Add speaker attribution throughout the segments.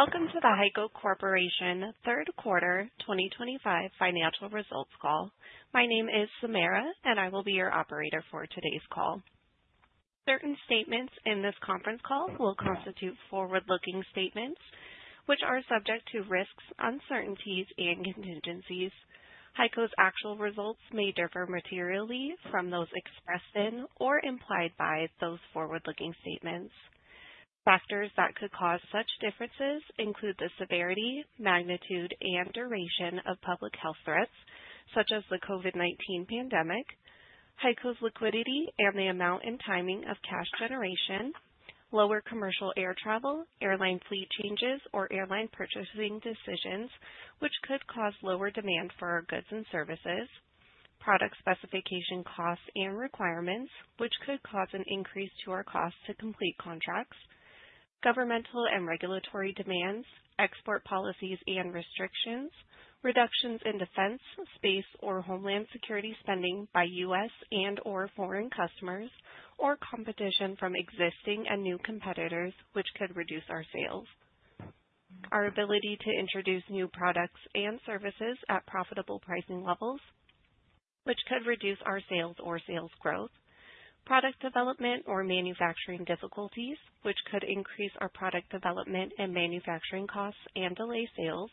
Speaker 1: Welcome to The HEICO Corporation Third Quarter 2025 Financial Results Call. My name is Samara and I will be your operator for today's call. Certain statements in this conference call will constitute forward looking statements which are subject to risks, uncertainties and contingencies. HEICO's actual results may differ materially from those expressed in or implied by those forward looking statements. Factors that could cause such differences include the severity, magnitude and duration of public health threats such as the COVID-19 pandemic, HEICO's liquidity and the amount and timing of cash generation, lower commercial air travel, airline fleet changes or airline purchasing decisions which could cause lower demand for our goods and services, product specification costs and requirements which could cause an increase to our costs to complete contracts, governmental and regulatory demands, export policies and restrictions, reductions in defense, space or homeland security spending by U.S. and/or foreign customers, or competition from existing and new competitors which could reduce our sales. Our ability to introduce new products and services at profitable pricing levels which could reduce our sales or sales growth, product development or manufacturing difficulties which could increase our product development and manufacturing costs and delivery sales,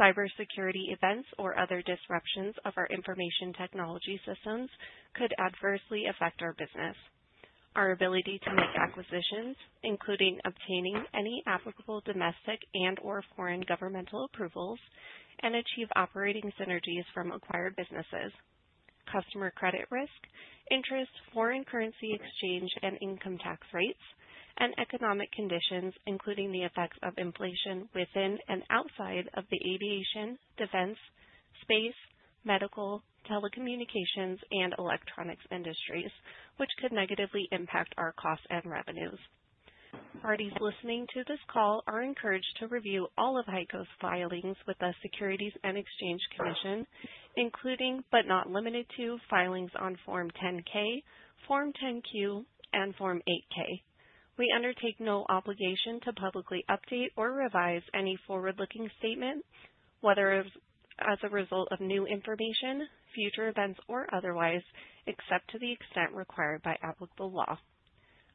Speaker 1: cybersecurity events or other disruptions of our information technology systems could adversely affect our business. Our ability to make acquisitions including obtaining any applicable domestic and/or foreign governmental approvals and achieve operating synergies from acquired businesses, customer credit risk, interest, foreign currency exchange and income tax rates, and economic conditions including the effects of inflation within and outside of the aviation, defense, space, medical, telecommunications and electronics industries which could negatively impact our costs and revenues. Parties listening to this call are encouraged to review all of HEICO's filings with the Securities and Exchange Commission, including but not limited to filings on Form 10-K, Form 10-Q and Form 8-K. We undertake no obligation to publicly update or revise any forward looking statements whether as a result of new information, future events or otherwise, except to the extent required by applicable law.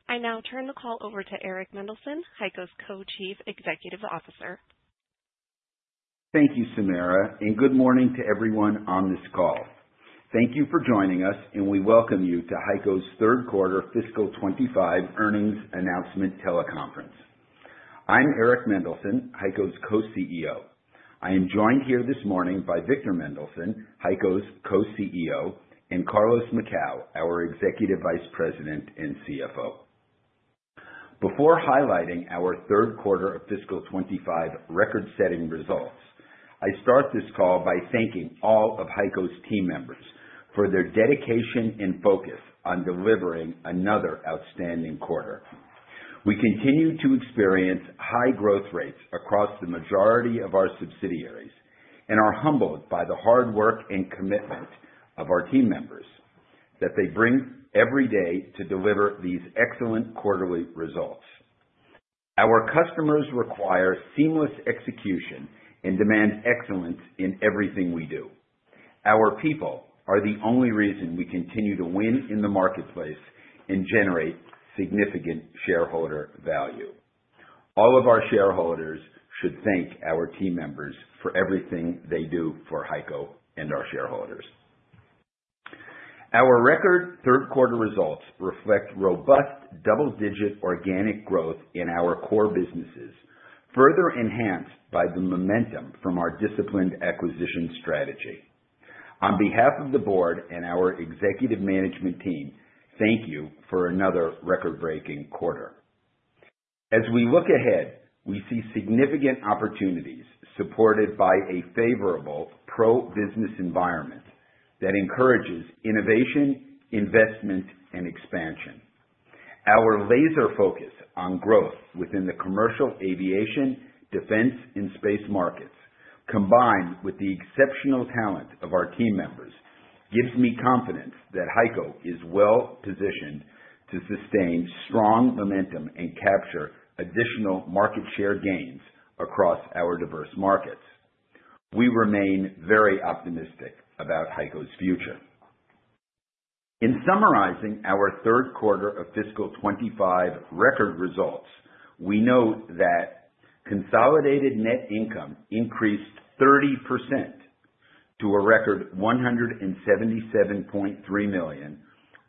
Speaker 1: I now turn the call over to Eric Mendelson, HEICO's Co-Chief Executive Officer.
Speaker 2: Thank you, Samara, and good morning to everyone on this call. Thank you for joining us, and we welcome you to HEICO's Third Quarter Fiscal 2025 Earnings Announcement Teleconference. I'm Eric Mendelson, HEICO's Co-CEO. I am joined here this morning by Victor Mendelson, HEICO's Co-CEO, and Carlos Macau, our Executive Vice President and CFO. Before highlighting our third quarter of fiscal 2025 record-setting results, I start this call by thanking all of HEICO's team members for their dedication and focus on delivering another outstanding quarter. We continue to experience high growth rates across the majority of our subsidiaries and are humbled by the hard work and commitment of our team members that they bring every day. To deliver these excellent quarterly results, our customers require seamless execution and demand excellence in everything we do. Our people are the only reason we continue to win in the marketplace and generate significant shareholder value. All of our shareholders should thank our team members for everything they do for HEICO and our shareholders. Our record third quarter results reflect robust double-digit organic growth in our core businesses, further enhanced by the momentum from our disciplined acquisition strategy. On behalf of the Board and our executive management team, thank you for another record-breaking quarter. As we look ahead, we see significant opportunities supported by a favorable pro-business environment that encourages innovation, investment, and expansion. Our laser focus on growth within the commercial, aviation, defense, and space markets, combined with the exceptional talent of our team members, gives me confidence that HEICO is well positioned to sustain strong momentum and capture additional market share gains across our diverse markets. We remain very optimistic about HEICO's future. In summarizing our third quarter of fiscal 2025 record results, we note that consolidated net income increased 30% to a record $177.3 million,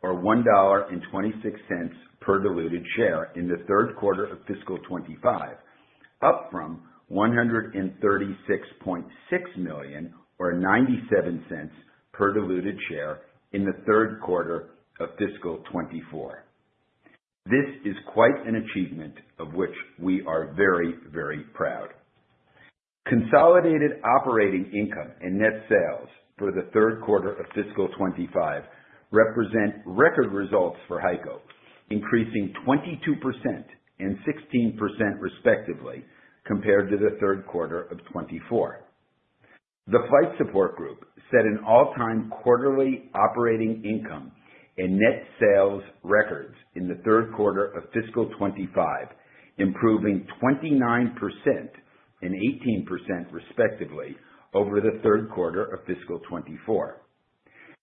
Speaker 2: or $1.26 per diluted share in the third quarter of fiscal 2025, up from $136.6 million, or $0.97 per diluted share in the third quarter of fiscal 2024. This is quite an achievement of which we are very, very proud. Consolidated operating income and net sales for the third quarter of fiscal 2025 represent record results for HEICO, increasing 22% and 16%, respectively, compared to 3Q24. The Flight Support Group set an all-time quarterly operating income and net sales records in the third quarter of fiscal 2025, improving 29% and 18% respectively over the third quarter of fiscal 2024.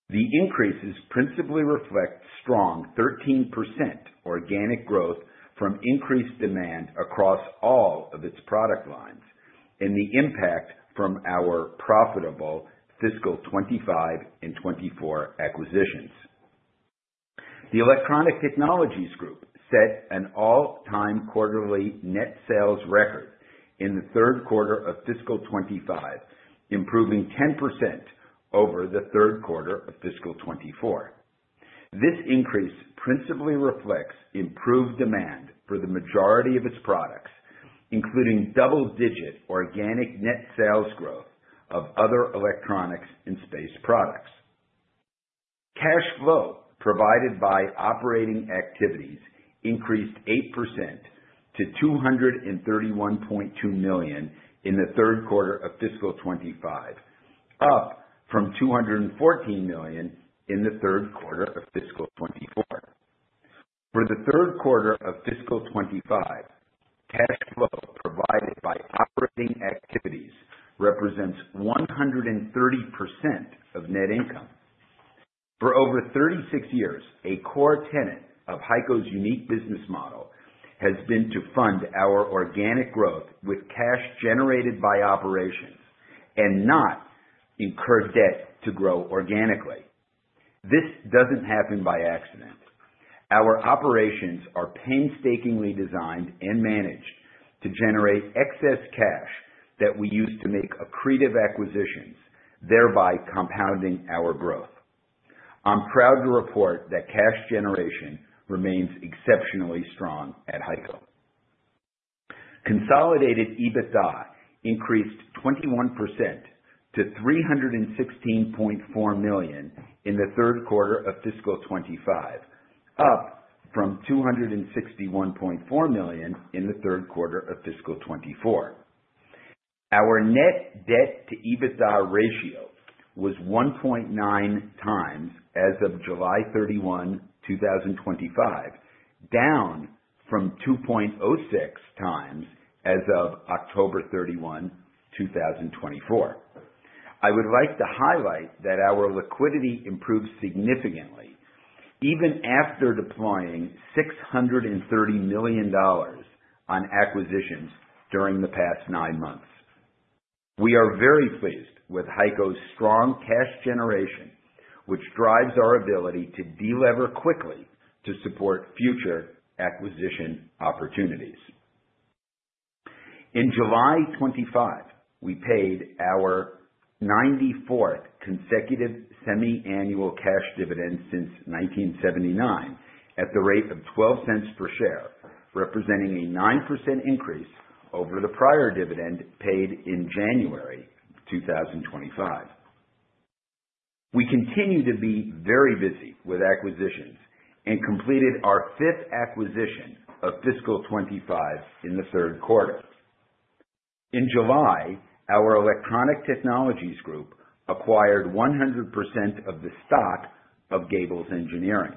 Speaker 2: The increases principally reflect strong 13% organic growth from increased demand across all of its product lines and the impact from our profitable fiscal 2025 and 2024 acquisitions. The Electronic Technologies Group set an all-time quarterly net sales record in the third quarter of fiscal 2025, improving 10% over the third quarter of fiscal 2024. This increase principally reflects improved demand for the majority of its products, including double-digit organic net sales growth of other electronics and space products. Cash flow provided by operating activities increased 8% to $231.2 million in the third quarter of fiscal 2025, up from $214 million in the third quarter of fiscal 2024. For the third quarter of fiscal 2025, cash flow provided by operating activities represents 130% of net income. For over 36 years, a core tenet of HEICO's unique business model has been to fund our organic growth with cash generated by operations and not incur debt to grow organically. This doesn't happen by accident. Our operations are painstakingly designed and managed to generate excess cash that we use to make accretive acquisitions, thereby compounding our growth. I'm proud to report that cash generation remains exceptionally strong at HEICO. Consolidated EBITDA increased 21% to $316.4 million in the third quarter of fiscal 2025, up from $261.4 million in the third quarter of fiscal 2024. Our net debt to EBITDA ratio was 1.9 times as of July 31st, 2025, down from 2.06 times as of October 31st, 2024. I would like to highlight that our liquidity improves significantly even after deploying $630 million on acquisitions during the past nine months. We are very pleased with HEICO's strong cash generation, which drives our ability to delever quickly to support future acquisition opportunities. In July 2025, we paid our 94th consecutive semiannual cash dividend since 1979 at the rate of $0.12 per share, representing a 9% increase over the prior dividend paid in January 2025. We continue to be very busy with acquisitions and completed our fifth acquisition of fiscal 2025 in the third quarter. In July, our Electronic Technologies Group acquired 100% of the stock of Gables Engineering.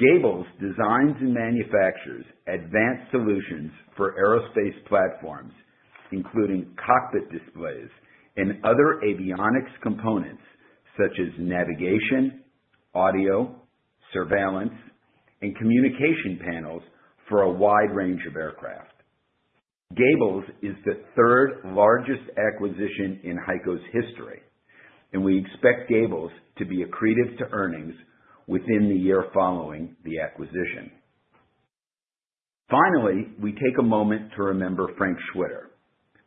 Speaker 2: Gables designs and manufactures advanced solutions for aerospace platforms, including cockpit displays and other avionics components such as navigation, audio surveillance, and communication panels for a wide range of aircraft. Gables is the third largest acquisition in HEICO's history, and we expect Gables to be accretive to earnings within the year following the acquisition. Finally, we take a moment to remember Frank Schwitter,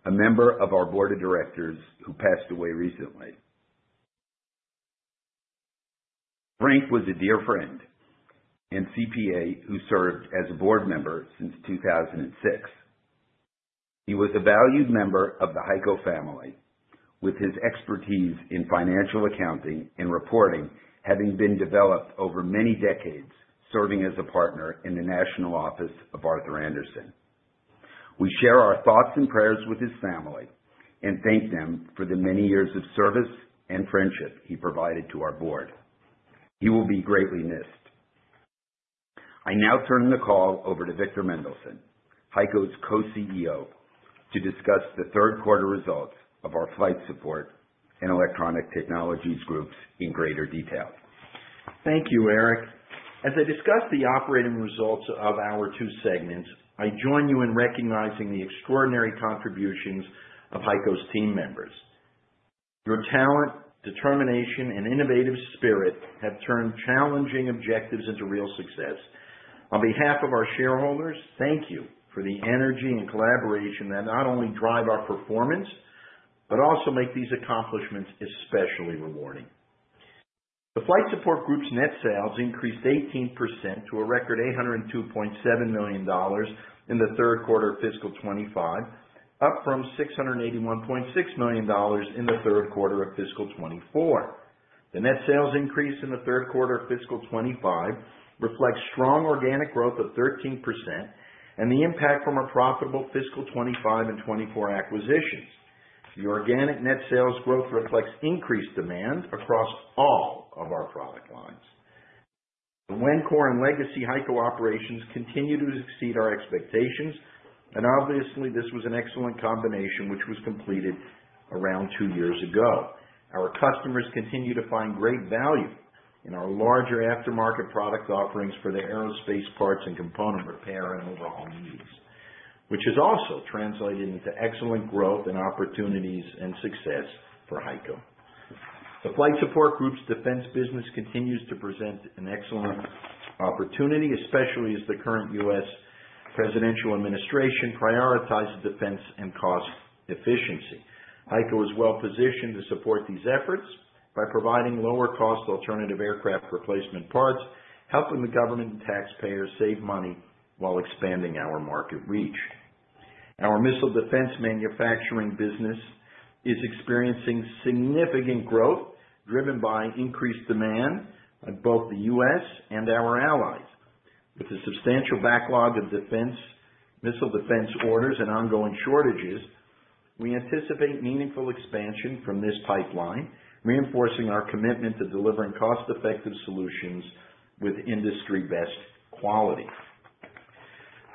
Speaker 2: a member of our Board of Directors who passed away recently. Frank was a dear friend and CPA who served as a board member since 2006. He was a valued member of the HEICO family, with his expertise in financial accounting and reporting having been developed over many decades, serving as a partner in the national office of Arthur Andersen. We share our thoughts and prayers with his family and thank them for the many years of service and friendship he provided to our board. He will be greatly missed. I now turn the call over to Victor Mendelson, HEICO's Co-CEO, to discuss the third quarter results of our Flight Support Group and Electronic Technologies Group in greater detail.
Speaker 3: Thank you, Eric. As I discuss the operating results of our two segments, I join you in recognizing the extraordinary contributions of HEICO's team members. Your talent, determination, and innovative spirit have turned challenging objectives into real success. On behalf of our shareholders, thank you for the energy and collaboration that not only drive our performance, but also make these accomplishments especially rewarding. The Flight Support Group's net sales increased 18% to a record $802.7 million in the third quarter of fiscal 2025, up from $681.6 million in the third quarter of fiscal 2024. The net sales increase in the third quarter of fiscal 2025 reflects strong organic growth of 13% and the impact from our profitable fiscal 2025 and 2024 acquisitions. The organic net sales growth reflects increased demand across all of our product lines. The Wencor and legacy HEICO operations continue to exceed our expectations, and obviously this was an excellent combination which was completed around two years ago. Our customers continue to find great value in our larger aftermarket product offerings for the aerospace parts and component repair and overall needs, which has also translated into excellent growth and opportunities and success for HEICO. The Flight Support Group's defense business continues to present an excellent opportunity, especially as the current U.S. Presidential administration prioritizes defense and cost efficiency. HEICO is well positioned to support these efforts by providing lower cost alternative aircraft replacement parts, helping the government and taxpayers save money while expanding our market reach. Our missile defense manufacturing business is experiencing significant growth driven by increased demand from both the U.S. and our allies. With a substantial backlog of defense missile defense orders and ongoing shortages, we anticipate meaningful expansion from this pipeline, reinforcing our commitment to delivering cost-effective solutions with industry-best quality.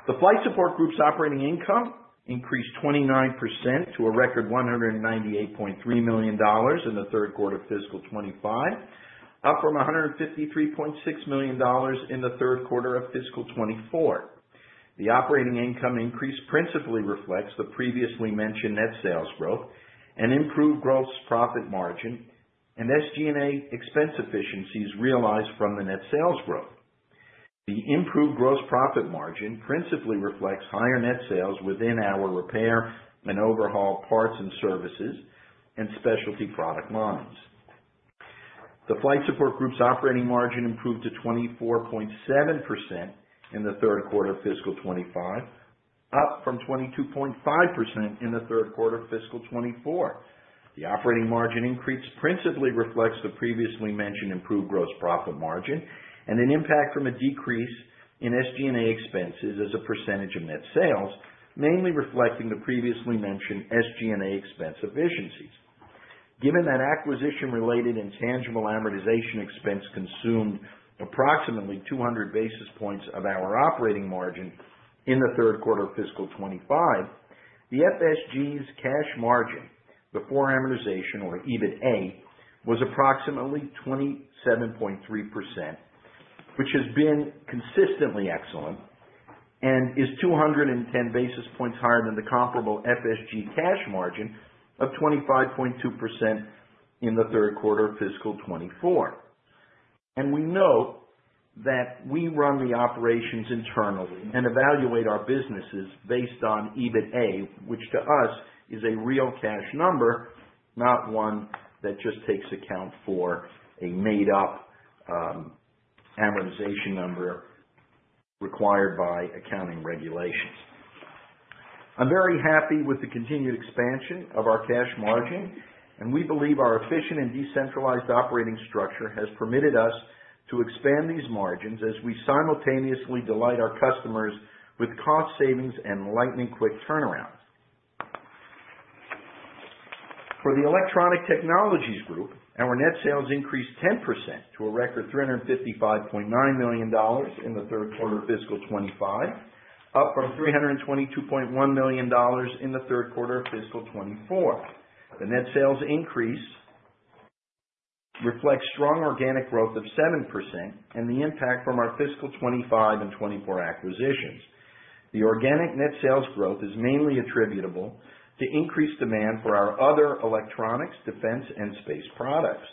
Speaker 3: The Flight Support Group's operating income increased 29% to a record $198.3 million in the third quarter of fiscal 2025, up from $153.6 million in the third quarter of fiscal 2024. The operating income increase principally reflects the previously mentioned net sales growth and improved gross profit margin and SG&A expense efficiencies realized from the net sales growth. The improved gross profit margin principally reflects higher net sales within our repair and overhaul parts and services and specialty product lines. The Flight Support Group's operating margin improved to 24.7% in the third quarter fiscal 2025, up from 22.5% in the third quarter fiscal 2024. The operating margin increase principally reflects the previously mentioned improved gross profit margin and an impact from a decrease in SG&A expenses as a percentage of net sales, mainly reflecting the previously mentioned SG&A expense efficiencies, given that acquisition-related intangible amortization expense consumed approximately 200 basis points of our operating margin in the third quarter of fiscal 2025. The FSG's cash margin before amortization or EBITDA was approximately 27.3%, which has been consistently excellent and is 210 basis points higher than the comparable FSG cash margin of 25.2% in the third quarter fiscal 2024. We note that we run the operations internally and evaluate our businesses based on EBITDA, which to us is a real cash number, not one that just takes account for a made-up amortization number required by accounting regulations. I'm very happy with the continued expansion of our cash margin, and we believe our efficient and decentralized operating structure has permitted us to expand these margins as we simultaneously delight our customers with cost savings and lightning quick turnarounds. For the Electronic Technologies Group, our net sales increased 10% to a record $355.9 million in the third quarter fiscal 2025, up from $322.1 million in the third quarter of fiscal 2024. The net sales increase reflects strong organic growth of 7% and the impact from our fiscal 2025 and 2024 acquisitions. The organic net sales growth is mainly attributable to increased demand for our other electronics, defense and space products.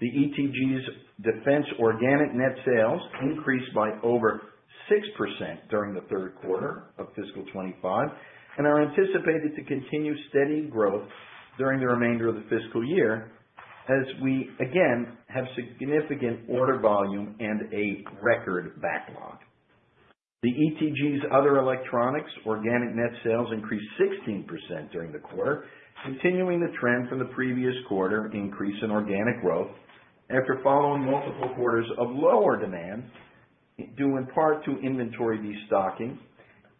Speaker 3: The ETG's defense organic net sales increased by over 6% during the third quarter of fiscal 2025 and are anticipated to continue steady growth during the remainder of the fiscal year as we again have significant order volume and a record backlog. The ETG's other electronics organic net sales increased 16% during the quarter, continuing the trend from the previous quarter increase in organic growth after following multiple quarters of lower demand due in part to inventory destocking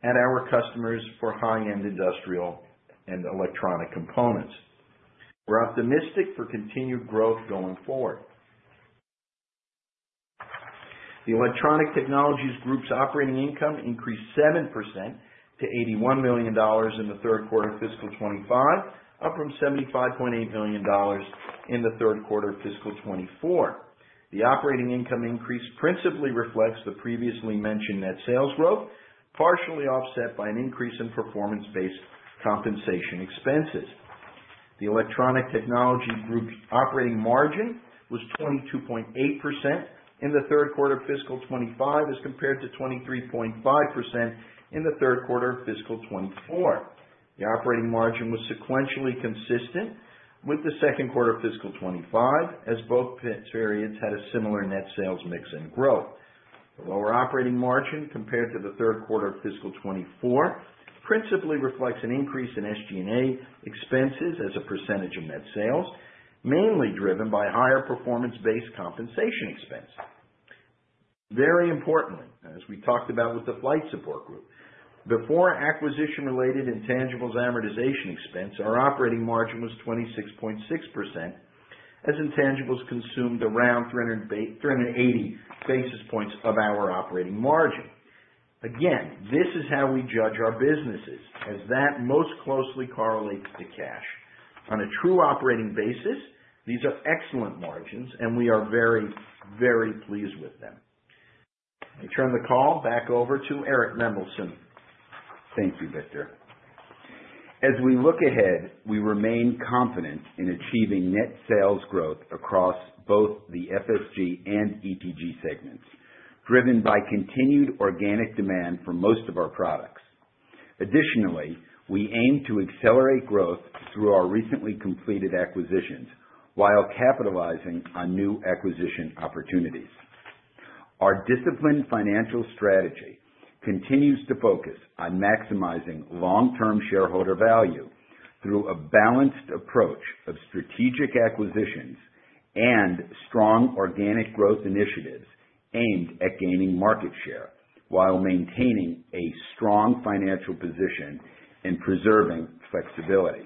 Speaker 3: and our customers for high-end industrial and electronic components. We're optimistic for continued growth going forward. The Electronic Technologies Group's operating income increased 7% to $81 million in the third quarter fiscal 2025, up from $75.8 million in the third quarter of fiscal 2024. The operating income increase principally reflects the previously mentioned net sales growth, partially offset by an increase in performance-based compensation expenses. The Electronic Technologies Group operating margin was 22.8% in the third quarter fiscal 2025 as compared to 23.5% in the third quarter of fiscal 2024. The operating margin was sequentially consistent with the second quarter fiscal 2025 as both periods had a similar net sales mix and growth. The lower operating margin compared to the third quarter of fiscal 2024 principally reflects an increase in SG&A expenses as a percentage of net sales, mainly driven by higher performance-based compensation expense. Very importantly, as we talked about with the Flight Support Group, before acquisition-related intangibles amortization expense, our operating margin was 26.6% as intangibles consumed around 380 basis points of our operating margin. Again, this is how we judge our businesses as that most closely correlates to cash on a true operating basis. These are excellent margins and we are very, very pleased with them. I turn the call back over to Eric Mendelson.
Speaker 2: Thank you, Victor. As we look ahead, we remain confident in achieving net sales growth across both the FSG and ETG segments, driven by continued organic demand for most of our products. Additionally, we aim to accelerate growth through our recently completed acquisitions while capitalizing on new acquisition opportunities. Our disciplined financial strategy continues to focus on maximizing long-term shareholder value through a balanced approach of strategic acquisitions and strong organic growth initiatives aimed at gaining market share while maintaining a strong financial position and preserving flexibility.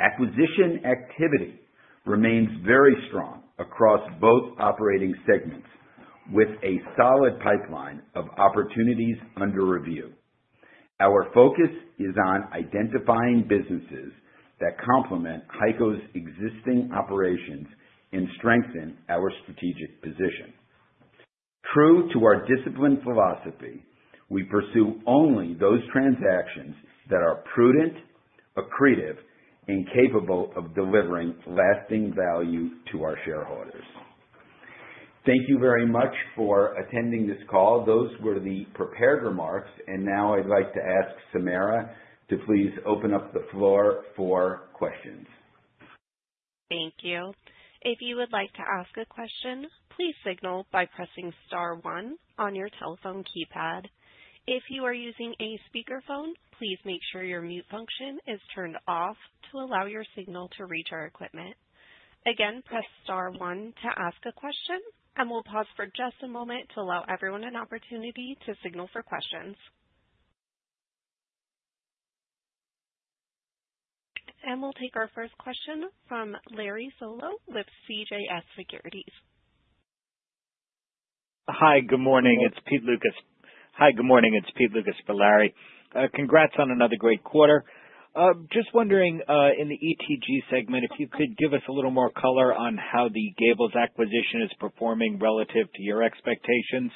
Speaker 2: Acquisition activity remains very strong across both operating segments, with a solid pipeline of opportunities under review. Our focus is on identifying businesses that complement HEICO's existing operations and strengthen our strategic position. True to our disciplined philosophy, we pursue only those transactions that are prudent, accretive, and capable of delivering lasting value to our shareholders. Thank you very much for attending this call. Those were the prepared remarks. Now I'd like to ask Samara to please open up the floor for questions.
Speaker 1: Thank you. If you would like to ask a question, please signal by pressing star one on your telephone keypad. If you are using a speakerphone, please make sure your mute function is turned off to allow your signal to reach our equipment. Again, press star one to ask a question. We'll pause for just a moment to allow everyone an opportunity to signal for questions. We'll take our first question from Larry Solow with CJS Securities.
Speaker 4: Hi, good morning, it's Pete Lucas for Larry, congrats on another great quarter. Just wondering in the ETG segment if you could give us a little more color on how the Gables acquisition is performing relative to your expectations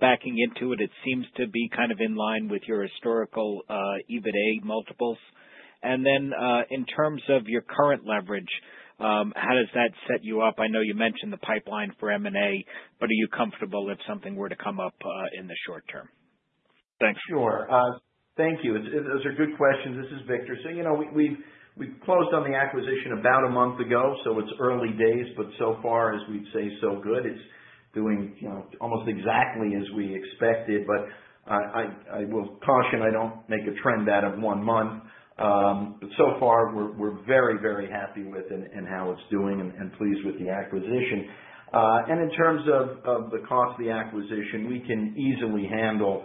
Speaker 4: backing into it. It seems to be kind of in line with your historical EBITDA multiples. In terms of your current leverage, how does that set you up? I know you mentioned the pipeline for M&A, but are you comfortable if something were to come up in the short term?
Speaker 3: Sure, thank you, those are good questions. This is Victor saying, you know, we closed on the acquisition about a month ago. It's early days, but so far, as we'd say, so good. It's doing almost exactly as we expected. I will caution I don't make a trend out of one month. So far we're very, very, very happy with how it's doing and pleased with the acquisition. In terms of the cost of the acquisition, we can easily handle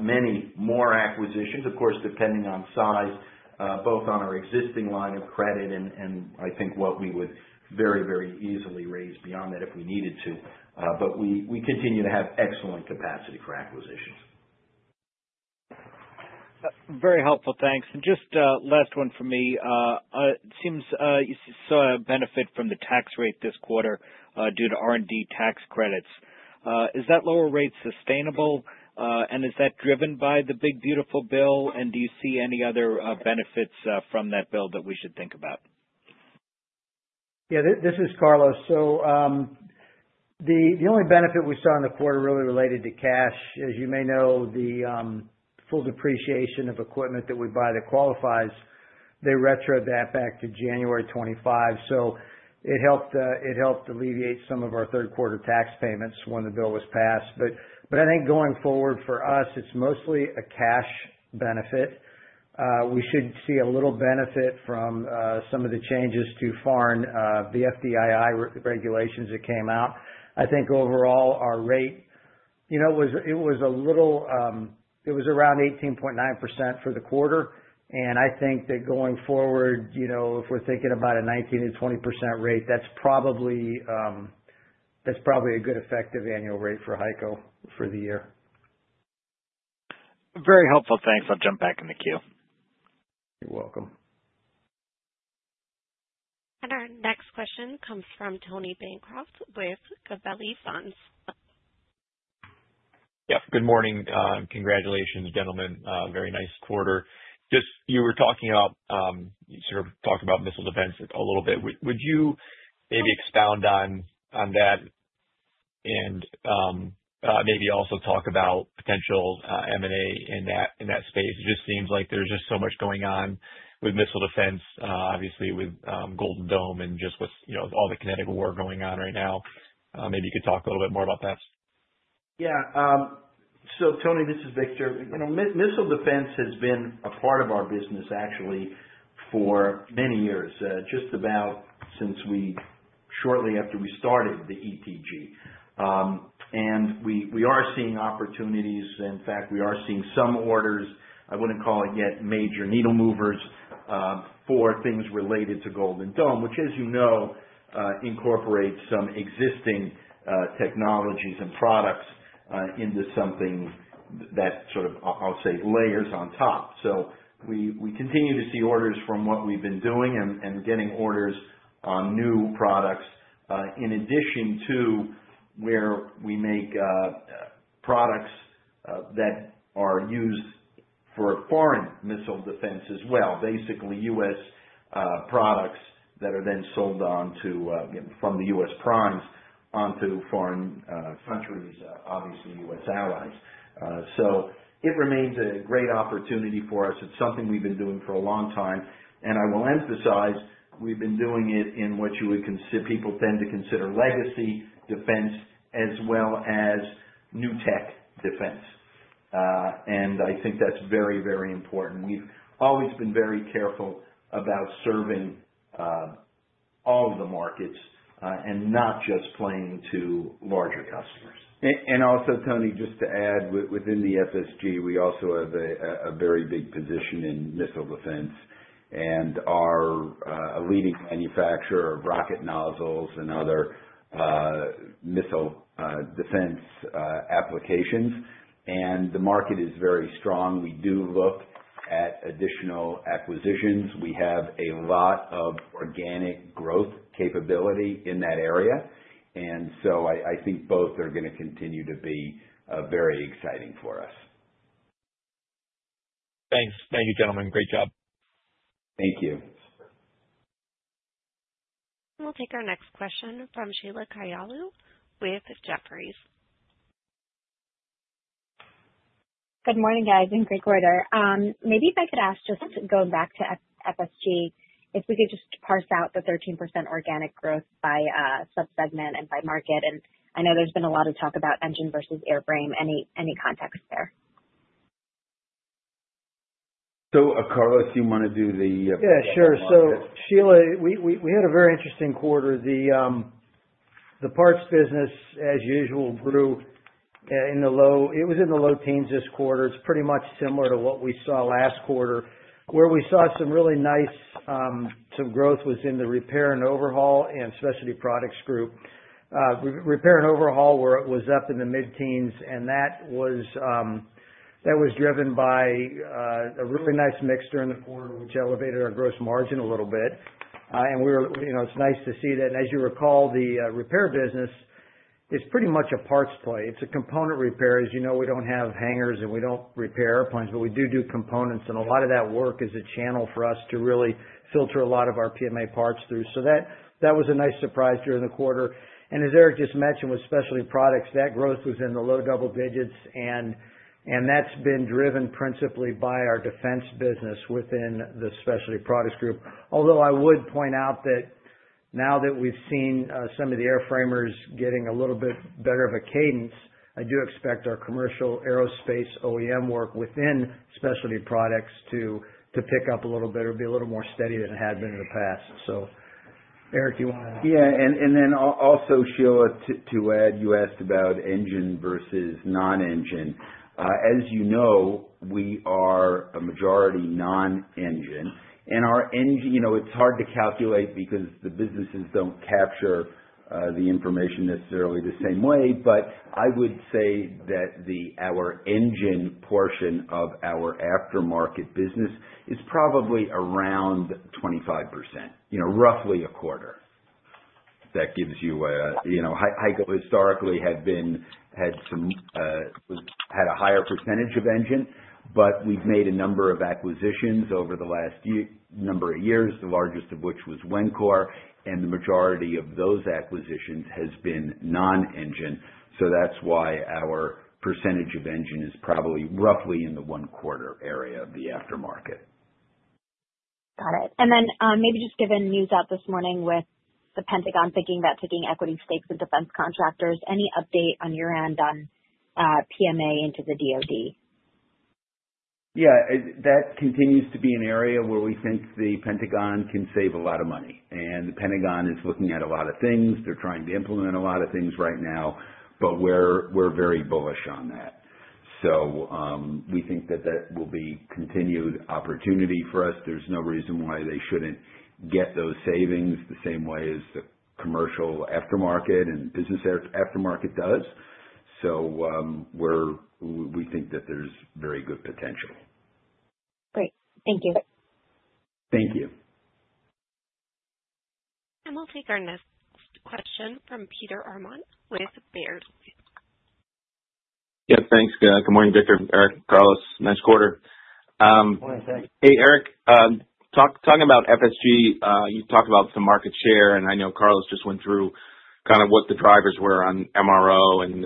Speaker 3: many more acquisitions, of course, depending on size, both on our existing line of credit and I think what we would very, very easily raise beyond that if we needed to. We continue to have excellent capacity for acquisitions.
Speaker 4: Very helpful, thanks. Just last one for me, it seems you saw a benefit from the tax rate this quarter due to R&D tax credits. Is that lower rate sustainable, and is that driven by the big beautiful bill? Do you see any other benefits from that bill that we should think about?
Speaker 5: Yeah, this is Carlos. The only benefit we saw in the quarter really related to cash. As you may know, the full depreciation of equipment that we buy that qualifies, they retro that back to January 25th. It helped alleviate some of our third quarter tax payments when the bill was passed. I think going forward for us, it's mostly a cash benefit. We should see a little benefit from some of the changes to foreign, the FDII regulations that came out. I think overall our rate, you know, it was around 18.9% for the quarter. I think that going forward, if we're thinking about a 19%-20% rate, that's probably a good effective annual rate for HEICO for the year.
Speaker 4: Very helpful. Thanks. I'll jump back in the queue. You're welcome.
Speaker 1: Our next question comes from Anthony Bancroft with the Gabelli Funds.
Speaker 6: Yep. Good morning. Congratulations, gentlemen. Very nice quarter. You were talking about, you sort of talked about missile defense a little bit. Would you maybe expound on that and maybe also talk about potential M&A in that space? It just seems like there's just so much going on with missile defense, obviously with Golden Dome and just with, you know, all the kinetic war going on right now. Maybe you could talk a little bit more about that.
Speaker 3: Yeah. Tony, this is Victor. Missile defense has been a part of our business actually for many years, just about since we, shortly after we started the ETG. We are seeing opportunities, in fact, we are seeing some orders. I wouldn't call it yet major needle movers for things related to Golden Dome, which as you know, incorporate some existing technologies and products into something that sort of, I'll say, layers on top. We continue to see orders from what we've been doing and getting orders on new products in addition to where we make products that are used for foreign missile defense as well. Basically U.S. products that are then sold on to from the U.S. primes onto foreign countries, obviously U.S. allies. It remains a great opportunity for us. It's something we've been doing for a long time and I will emphasize we've been doing it in what you would consider people tend to consider legacy defense as well as new tech defense. I think that's very, very important. Always been very careful about serving all of the markets and not just playing to larger customers.
Speaker 2: Also, Tony, just to add, within the FSG, we also have a very big position in missile defense and are a leading manufacturer of rocket nozzles and other missile defense applications. The market is very strong. We do look at additional acquisitions. We have a lot of organic growth capability in that area, and I think both are going to continue to be very exciting for us.
Speaker 6: Thanks. Thank you, gentlemen. Great job. Thank you.
Speaker 1: We'll take our next question from Sheila Kahyaoglu with Jefferies. Good morning, guys.
Speaker 7: In Greek order, maybe if I could ask, just going back to FSG, if we could just parse out the 13% organic growth by subsegment and by market. I know there's been a lot of talk about engine versus airframe. Any context there?
Speaker 2: Carlos, you want to do the.
Speaker 5: Yeah, sure. Sheila, we had a very interesting quarter. The parts business as usual grew in the low, it was in the low teens this quarter. It's pretty much similar to what we saw last quarter where we saw some really nice, some growth was in the repair and overhaul and specialty products group. Repair and overhaul was up in the mid teens. That was driven by a really nice mix during the quarter, which elevated our gross margin a little bit. We were, you know, it's nice to see that. As you recall, the repair business is pretty much a parts play. It's a component repair. As you know, we don't have hangars and we don't repair airplanes, but we do components. A lot of that work is a channel for us to really filter a lot of our PMA parts through. That was a nice surprise during the quarter. As Eric just mentioned, with specialty products, that growth was in the low double digits. That's been driven principally by our defense business within the specialty products group. Although I would point out that now that we've seen some of the airframers getting a little bit better of a cadence, I do expect our commercial aerospace OEM work within specialty products to pick up a little bit or be a little more steady than it had been in the past. Eric, you want to.
Speaker 2: Yeah. Sheila, to add, you asked about engine versus non-engine. As you know, we are a majority non-engine and our engine, you know, it's hard to calculate because the businesses don't capture the information necessarily the same way, but I would say that our engine portion of our aftermarket business is probably around 25%, you know, roughly a quarter. That gives you, you know, HEICO historically had a higher percentage of engine. We've made a number of acquisitions over the last number of years, the largest of which was Wencor. The majority of those acquisitions has been non-engine. That's why our percentage of engine is probably roughly in the one quarter area of the aftermarket.
Speaker 7: Got it. Given news out this morning with the Pentagon thinking about taking equity stakes in defense contractors, any update on your end on PMA into the DoD?
Speaker 2: Yeah, that continues to be an area where we think the Pentagon can save a lot of money. The Pentagon is looking at a lot of things. They're trying to implement a lot of things right now, but we're very bullish on that. We think that that will be continued opportunity for us. There's no reason why they shouldn't get those savings the same way as the commercial aftermarket and business aftermarket does. We think that there's very good potential.
Speaker 7: Great. Thank you.
Speaker 2: Thank you.
Speaker 1: We will take our next question from Peter Arment with Baird.
Speaker 8: Yeah, thanks. Good morning, Victor. Eric, Carlos. Nice quarter. Hey, Eric. Talking about FSG, you talked about some market share, and I know Carlos just went through kind of what the drivers were on MRO and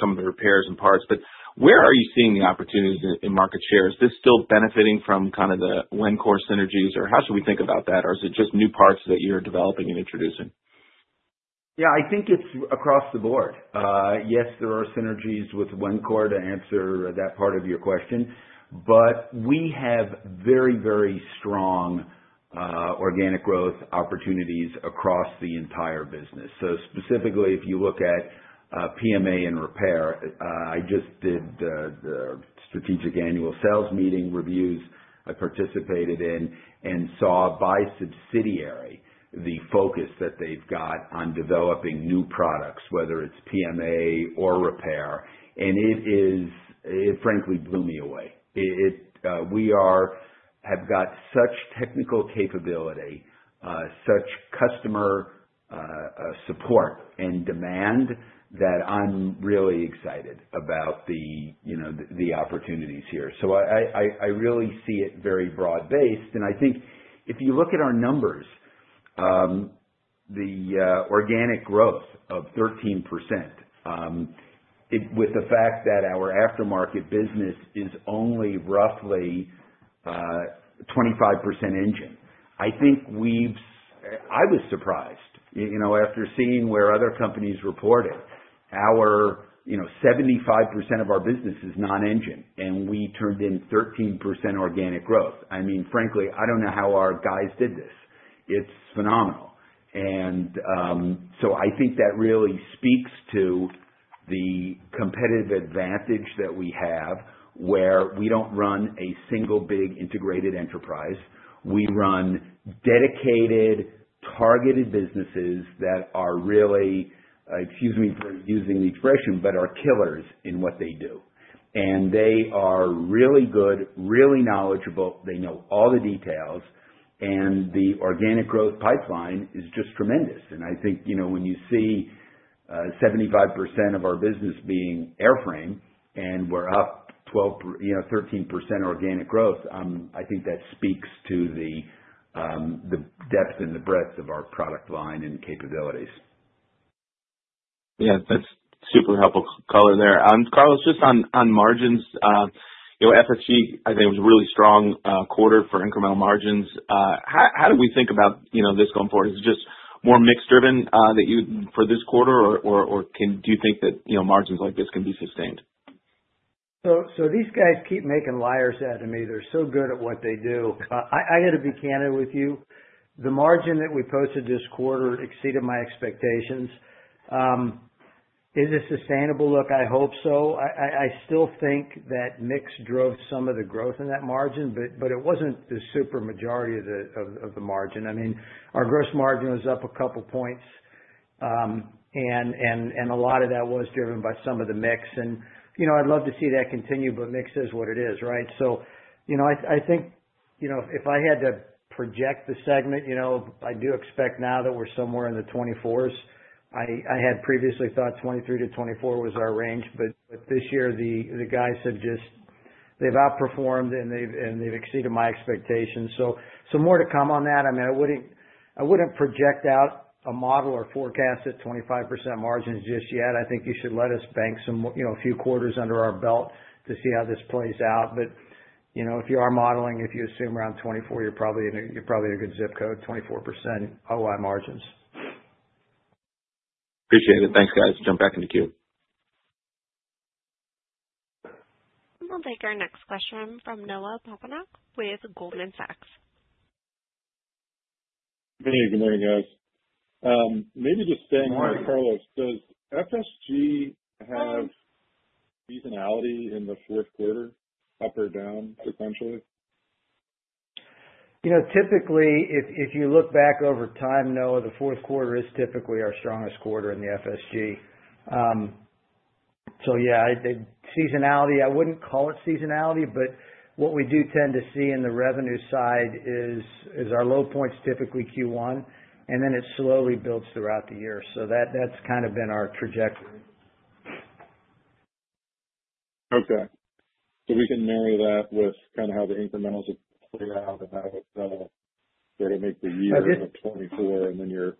Speaker 8: some of the repairs and parts, but where are you seeing the opportunities in market share? Is this still benefiting from kind of the Wencor synergies, or how should we think about that? Is it just new parts you're developing and introducing?
Speaker 2: Yeah, I think it's across the board. Yes, there are synergies with Wencor to answer that part of your question. We have very, very strong organic growth opportunities across the entire business. Specifically, if you look at PMA and repair, I just did the strategic annual sales meeting reviews I participated in and saw by subsidiary, the focus that they've got on developing new products, whether it's PMA or repair. It frankly blew me away. We have got such technical capability, such customer support and demand that I'm really excited about the opportunities here. I really see it very broad based and I think if you look at our numbers. The organic growth of 13% with the fact that our aftermarket business is only roughly 25% engine, I think I was surprised, you know, after seeing where other companies reported, you know, 75% of our business is non-engine and we turned in 13% organic growth. I mean, frankly, I don't know how our guys did this. It's phenomenal. I think that really speaks to the competitive advantage that we have where we don't run a single big integrated enterprise. We run dedicated, targeted businesses that are really, excuse me for using the expression, but are killers in what they do. They are really good, really knowledgeable, they know all the details, and the organic growth pipeline is just tremendous. I think, you know, when you see 75% of our business being airframe and we're up 12, you know, 13% organic growth, I think that speaks to the depth and the breadth of our product line and capabilities.
Speaker 8: Yeah, that's super helpful color there, Carlos. Just on margins, you know, FSG I think was a really strong quarter for incremental margins. How do we think about, you know, this going forward? Is it just more mix driven that you for this quarter, or do you think that, you know, margins like this can be sustained?
Speaker 5: These guys keep making liars out of me. They're so good at what they do. I got to be candid with you. The margin that we posted this quarter exceeded my expectations. Is it sustainable? Look, I hope so. I still think that mix drove some of the growth in that margin, but it wasn't the super majority of the margin. I mean, our gross margin was up a point, and a lot of that was driven by some of the mix. You know, I'd love to see that continue, but mix is what it is, right? I think, if I had to project the segment, I do expect now that we're somewhere in the 24s. I had previously thought 23%-24% was our range, but this year the guys have just outperformed and they've exceeded my expectations. Some more to come on that. I mean, I wouldn't project out a model or forecast at 25% margins just yet. I think you should let us bank a few quarters under our belt to see how this plays out. If you are modeling, if you assume around 24%, you're probably a good zip code. 24% OI margins.
Speaker 8: Appreciate it. Thanks, guys. Jump back in the queue.
Speaker 1: We'll take our next question from Noah Poponak with Goldman Sachs.
Speaker 9: Good morning, guys. Maybe just saying hi, Carlos. Does FSG have seasonality in the fourth quarter, up or down sequentially?
Speaker 5: You know, typically, if you look back over time, Noah, the fourth quarter is typically our strongest quarter in the FSG. The seasonality, I wouldn't call it seasonality, but what we do tend to see on the revenue side is our low points, typically Q1, and then it slowly builds throughout the year. That's kind of been our trajectory.
Speaker 9: Okay, so we can marry that with kind of how the incrementals are putting on HEICO where they make the year of 2024. Your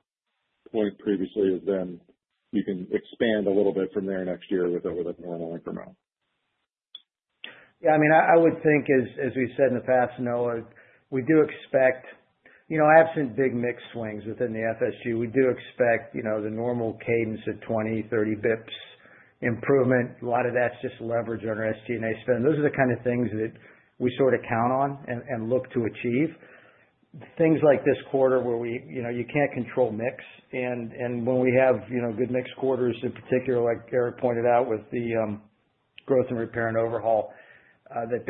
Speaker 9: point previously has been you can expand a little bit from there next year with a normal incremental.
Speaker 5: Yeah, I mean, I would think, as we said in the past, Noah, we do expect, you know, absent big mix swings within the FSG, we do expect, you know, the normal cadence of 20-30 basis points improvement. A lot of that's just leverage on our SG&A spend. Those are the kind of things that we sort of count on and look to achieve. Things like this quarter where we, you know, you can't control mix. When we have, you know, good mixed quarters in particular, like Eric pointed. Out with the growth and repair and overhaul, that's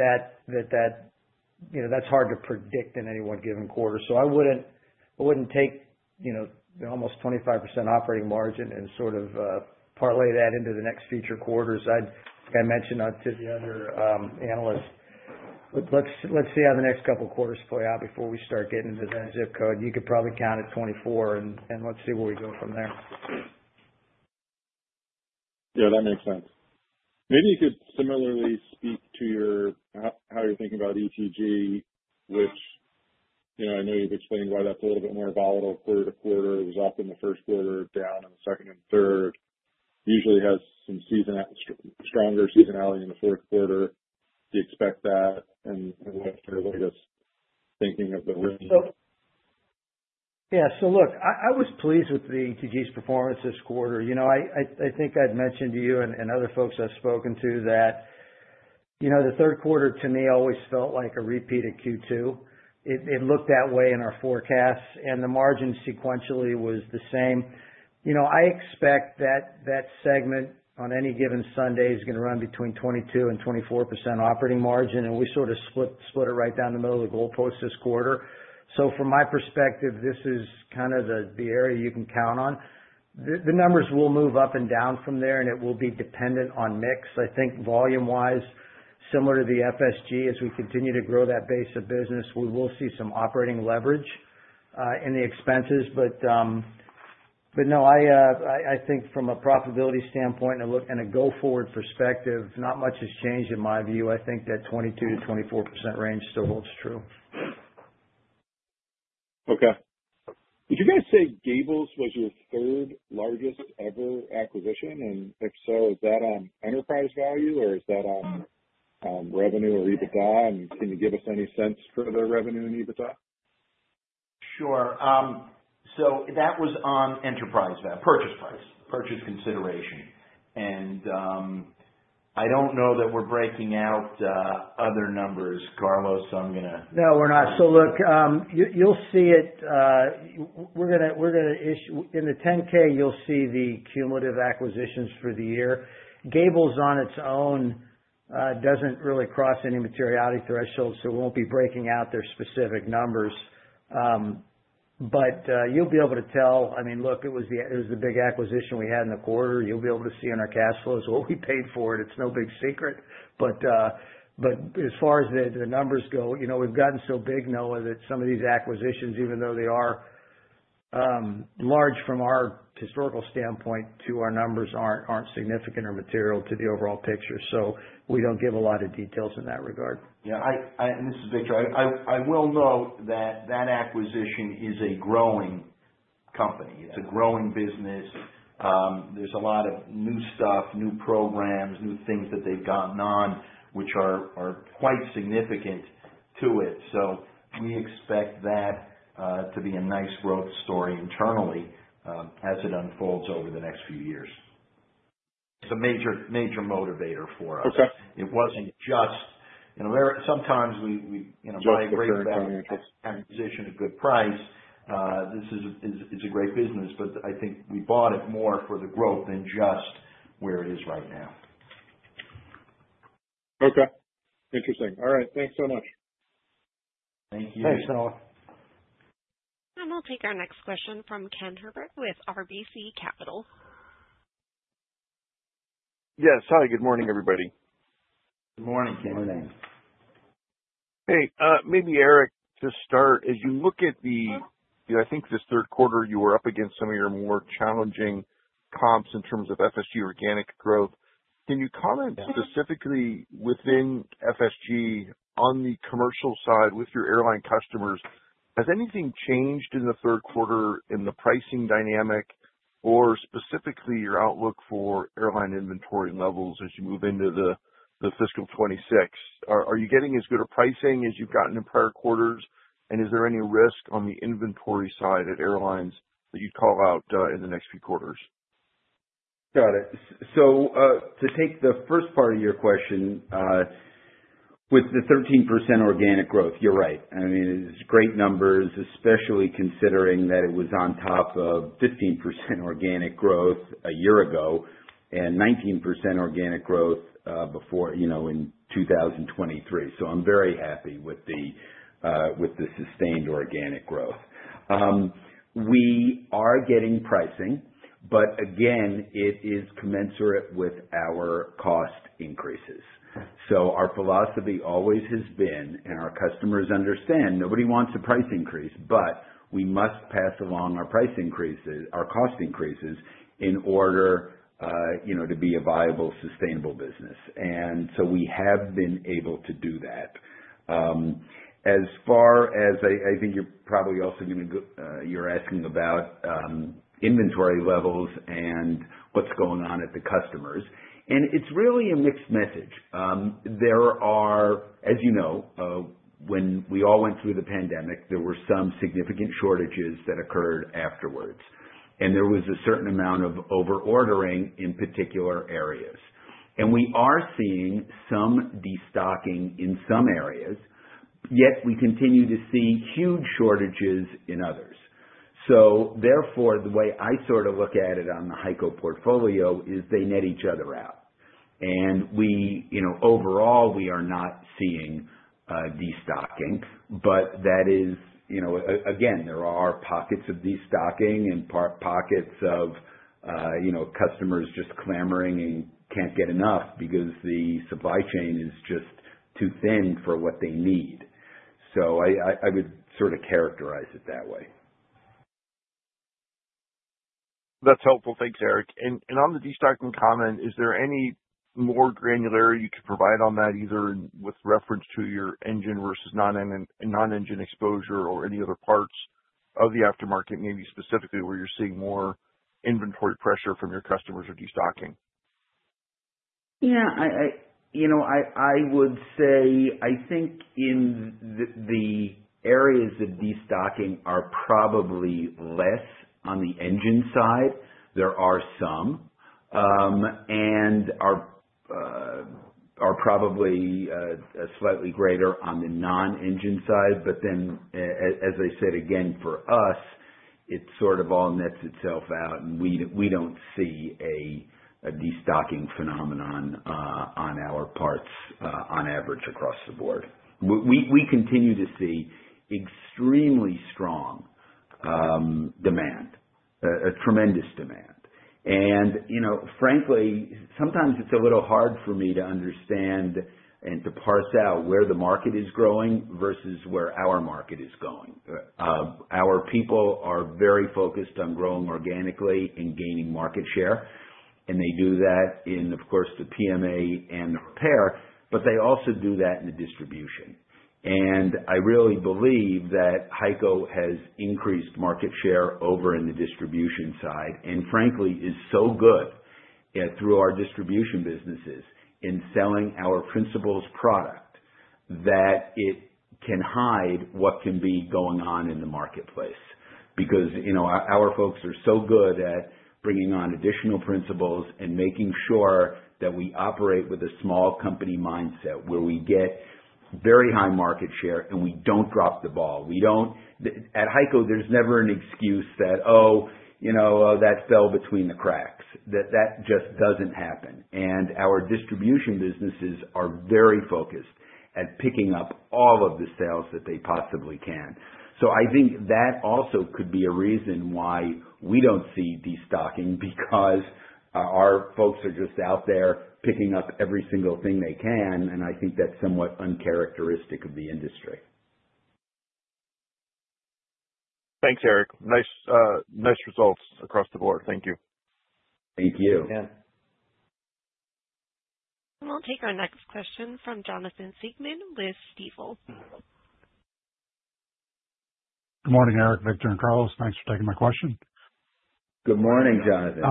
Speaker 5: hard to predict in any one given quarter. I wouldn't take, you know, almost 25% operating margin and sort of parlay that into the next future quarters. I'd mentioned to the other analysts. Let's see how the next couple quarters play out before we start getting into that zip code. You could probably count at 24%, and let's see where we go from there.
Speaker 9: Yeah, that makes sense. Maybe you could similarly speak to how you're thinking about ETG, which, you know, I know you've explained why that's a little bit more volatile. Third quarter was up, in the first quarter, down in the second, and third usually has some stronger seasonality in the fourth quarter. Do you expect that, and sort of what are you just thinking of the.
Speaker 5: Yeah. Look, I was pleased with the ETG's performance this quarter. I think I'd mentioned to you and other folks I've spoken to that the third quarter to me always felt like a repeat of Q2. It looked that way in our forecasts, and the margin sequentially was the same. I expect that segment on any given Sunday is going to run between 22% and 24% operating margin, and we sort of split it right down the middle of the goalpost this quarter. From my perspective, this is kind of the area you can count on. The numbers will move up and down from there, and it will be dependent on mix. I think volume-wise, similar to the FSG, as we continue to grow that base of business, we will see some operating leverage in the expenses. From a profitability standpoint and a go forward perspective, not much has changed in my view. I think that 22% to 24% range still holds true.
Speaker 9: Okay, did you guys say Gables was your third largest ever acquisition? If so, is that on enterprise value or is that on revenue or EBITDA? Can you give us any sense for the revenue and EBITDA?
Speaker 3: Sure. That was on enterprise value, purchase price, purchase consideration. I don't know that we're breaking out other numbers, Carlos, so I'm going to.
Speaker 5: No, we're not. Look, you'll see it, we're going to issue in the 10-K. You'll see the cumulative acquisitions for the year. Gables on its own doesn't really cross any materiality threshold. We won't be breaking out their specific numbers, but you'll be able to tell. It was the big acquisition we had in the quarter. You'll be able to see in our cash flows what we paid for it. It's no big secret. As far as the numbers go, we've gotten so big, Noah, that some of these acquisitions, even though they are large from our historical standpoint, to our numbers aren't significant or material to the overall picture. We don't give a lot of details in that regard.
Speaker 3: Yeah, this is Victor. I will note that that acquisition is a growing company, it's a growing business. There's a lot of new stuff, new programs, new things that they've gone on which are quite significant to it. We expect that to be a nice growth story internally as it unfolds. Over the next few years, it's a major, major motivator for us. It wasn't just, you know, sometimes we buy a great value position, a good price. This is, it's a great business. I think we bought it more for the growth than just where it is right now.
Speaker 9: Okay, interesting. All right, thanks so much. Thank you.
Speaker 5: Thanks.
Speaker 1: We'll take our next question from Kenneth George Herbert with RBC Capital.
Speaker 10: Yes. Hi. Good morning, everybody.
Speaker 3: Good morning, Ken.
Speaker 2: Morning.
Speaker 10: Maybe Eric, just start. As you look at the, I think this third quarter, you were up against some of your more challenging comps in terms of FSG organic growth. Can you comment specifically within FSG on the commercial side with your airline customers? Has anything changed in the third quarter in the pricing dynamic or specifically your outlook for airline inventory levels as you move into fiscal 2026? Are you getting as good a pricing as you've gotten in prior quarters? Is there any risk on the inventory side at airlines that you'd call out in the next few quarters?
Speaker 2: Got it. To take the first part of your question with the 13% organic growth, you're right. I mean, it's great numbers, especially considering that it was on top of 15% organic growth a year ago and 19% organic growth in 2023. I'm very happy with the sustained organic growth. We are getting pricing, but again, it is commensurate with our cost increases. Our philosophy always has been, and our customers understand, nobody wants a price increase, but we must pass along our cost increases in order to be a viable, sustainable business. We have been able to do that. As far as I think you're probably also asking about inventory levels and what's going on at the customers, it's really a mixed message. There are, as you know, when we all went through the pandemic, there were some significant shortages that occurred afterwards and there was a certain amount of over ordering in particular areas. We are seeing some destocking in some areas, yet we continue to see huge shortages in others. Therefore, the way I sort of look at it on the HEICO portfolio is they net each other out and we, you know, overall we are not seeing destocking. That is, you know, again, there are pockets of destocking and pockets of, you know, customers just clamoring and can't get enough because the supply chain is just too thin for what they need. I would sort of characterize it that way.
Speaker 10: That's helpful. Thanks, Eric. On the destocking comment, is there any more granularity you could provide on that, either with reference to your engine versus non-engine exposure or any other parts of the aftermarket, maybe specifically where you're seeing more inventory pressure from your customers or destocking?
Speaker 2: Yeah, I would say I think in the areas of destocking are probably less on the engine side. There are some and are probably slightly greater on the non-engine side. As I said, for us, it sort of all nets itself out and we don't see a destocking phenomenon on our parts on average across the board. We continue to see extremely strong demand, a tremendous demand. Frankly, sometimes it's a little hard for me to understand and to parse out where the market is growing versus where our market is going. Our people are very focused on growing organically and gaining market share and they do that in, of course, the PMA and repair, but they also do that in the distribution. I really believe that HEICO has increased market share over in the distribution side and frankly is so good through our distribution businesses in selling our principals' product that it can hide what can be going on in the marketplace because our folks are so good at bringing on additional principals and making sure that we operate with a small company mindset where we get very high market share and we don't drop the ball. At HEICO, there's never an excuse that oh, that fell between the cracks. That just doesn't happen. Our distribution businesses are very focused at picking up all of the sales that they possibly can. I think that also could be a reason why we don't see destocking because our folks are just out there picking up every single thing they can. I think that's somewhat uncharacteristic of the industry.
Speaker 10: Thanks, Eric. Nice results across the board. Thank you.
Speaker 2: Thank you.
Speaker 1: We'll take our next question from Jonathan Siegmann with Stifel.
Speaker 11: Good morning, Eric, Victor and Carlos, thanks for taking my question.
Speaker 3: Good morning, Jonathan.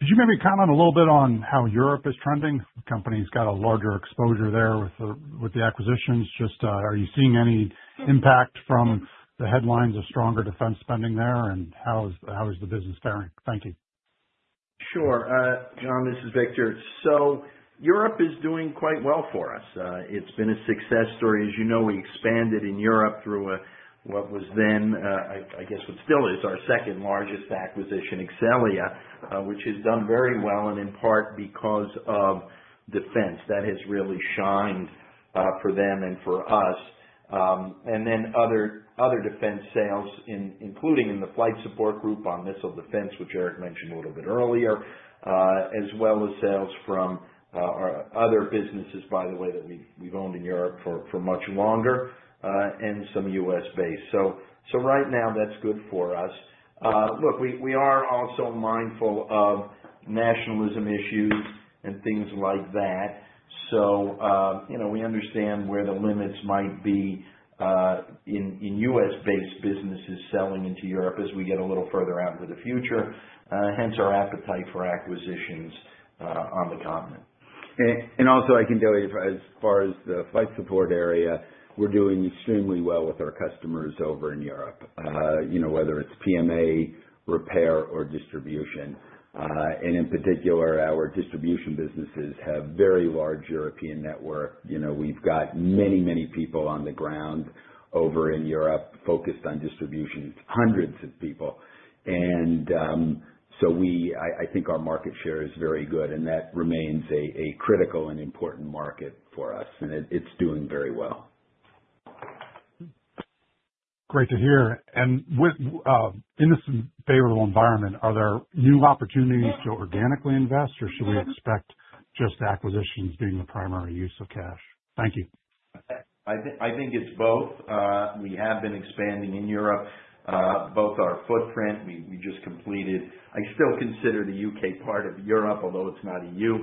Speaker 11: Could you maybe comment a little bit on how Europe is trending? The company's got a larger exposure there with the acquisitions. Are you seeing any impact from the headlines of stronger defense spending there? How is the business faring? Thank you. Sure.
Speaker 3: John, this is Victor. So, Europe is doing quite well for us. It's been a success story. As you know, we expanded in Europe through what was then, I guess it still is, our second largest acquisition, Exxelia, which has done very well and in part because of defense that has really shined for them and for us. Other defense sales, including in the Flight Support Group on missile defense, which Eric mentioned a little bit earlier, as well as sales from our other businesses, by the way, that we've owned in Europe for much longer and some U.S. based. Right now that's good for us. We are also mindful of nationalism issues and things like that. We understand where the limits might be in U.S. based businesses selling into Europe as we get a little further out into the future. Hence our appetite for acquisitions on the continent.
Speaker 2: I can tell you as far as the Flight Support area, we're doing extremely well with our customers over in Europe. Whether it's TMA repair or distribution, in particular our distribution businesses have a very large European network. We've got many, many people on the ground over in Europe focused on distribution, hundreds of people. I think our market share is very good and that remains a critical and important market for us. It's doing very well.
Speaker 11: Great to hear. Within this favorable environment, are there new opportunities to organically invest or should we expect just acquisitions being the primary use of cash? Thank you.
Speaker 3: I think it's both. We have been expanding in Europe, both our footprint. We just completed, I still consider the U.K. part of Europe although it's not EU,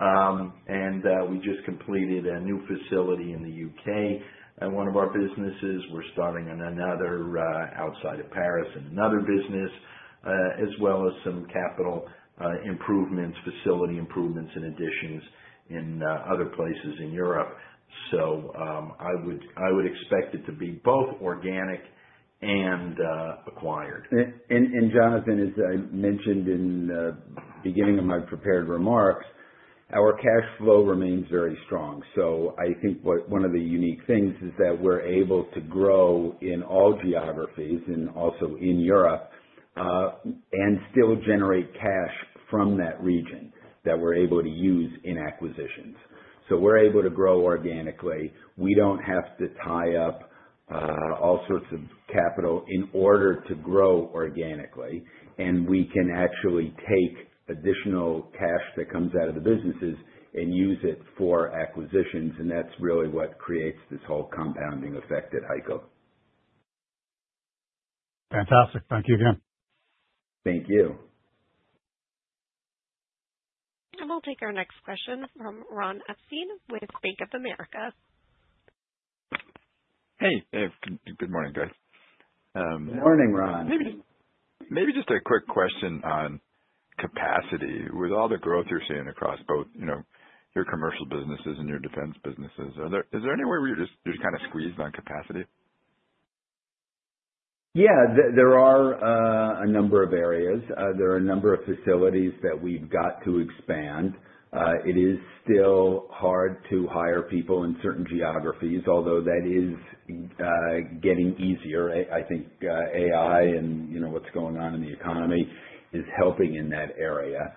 Speaker 3: and we just completed a new facility in the UK in one of our businesses, we're starting on another outside of Paris in another business, as well as some capital improvements, facility improvements, and additions in other places in Europe. I would expect it to be both organic and acquired.
Speaker 2: Jonathan, as I mentioned in the beginning of my prepared remarks, our cash flow remains very strong. One of the unique things is that we're able to grow in all geographies, also in Europe, and still generate cash from that region that we're able to use in acquisitions. We're able to grow organically. We don't have to tie up all sorts of capital in order to grow organically. We can actually take additional cash that comes out of the businesses and use it for acquisitions. That's really what creates this whole compounding effect at HEICO.
Speaker 11: Fantastic. Thank you again.
Speaker 2: Thank you.
Speaker 1: We will take our next question from Ron Epstein with Bank of America.
Speaker 12: Hey, good morning, guys.
Speaker 2: Good morning, Ron.
Speaker 12: Maybe just a quick question on capacity. With all the growth you're seeing across both your commercial businesses and your defense businesses, is there anywhere where you're just kind of squeezed on capacity?
Speaker 2: Yeah, there are a number of areas, there are a number of facilities that we've got to expand. It is still hard to hire people in certain geographies, although that is getting easier. I think AI and what's going on in the economy is helping in that area.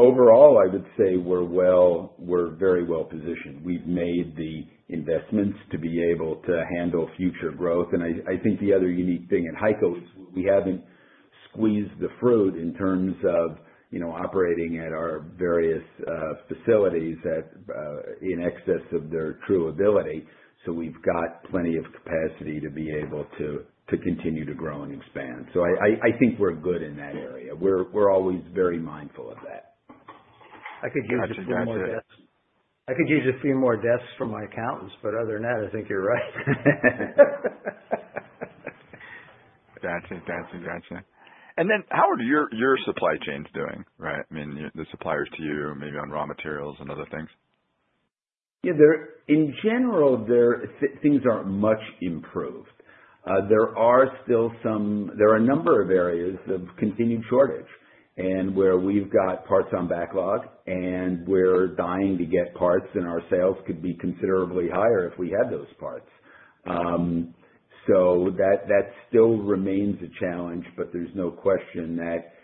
Speaker 2: Overall, I would say we're very well positioned. We've made the investments to be able to handle future growth. I think the other unique thing in HEICO is we haven't squeezed the fruit in terms of operating at our various facilities at that's in excess of their true ability. We've got plenty of capacity to be able to continue to grow and expand. I think we're good in that area. We're always very mindful of that.
Speaker 5: I could use a few more deaths for my accountants, but other than that I think you're right.
Speaker 12: Gotcha, gotcha, gotcha. And then, how are your supply chains doing? Right. I mean the supplier to you, maybe on raw materials and other things.
Speaker 2: In general, things aren't much improved. There are still some. There are a number of areas of continued shortage and where we've got parts on backlog and we're dying to get parts and our sales could be considerably higher if we had those parts. That still remains a challenge. There's no question that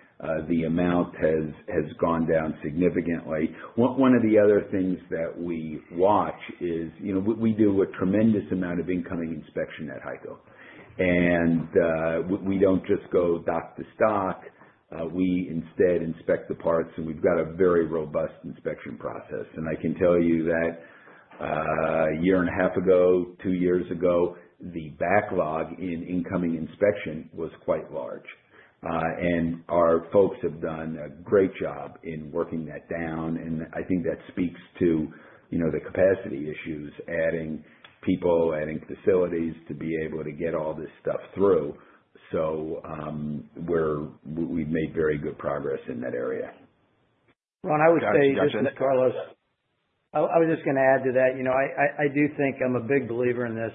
Speaker 2: the amount has gone down significantly. One of the other things that we watch is, you know, we do a tremendous amount of incoming inspection at HEICO and we don't just go dock to stock, we instead inspect the parts and we've got a very robust inspection process. I can tell you that 1.5 years ago, 2 years ago, the backlog in incoming inspection was quite large. Our folks have done a great job in working that down. I think that speaks to the capacity issues, adding people, adding facilities to be able to get all this stuff through. We've made very good progress in that area.
Speaker 5: Carlos, I was just going to add to that. I do think I'm a big believer in this.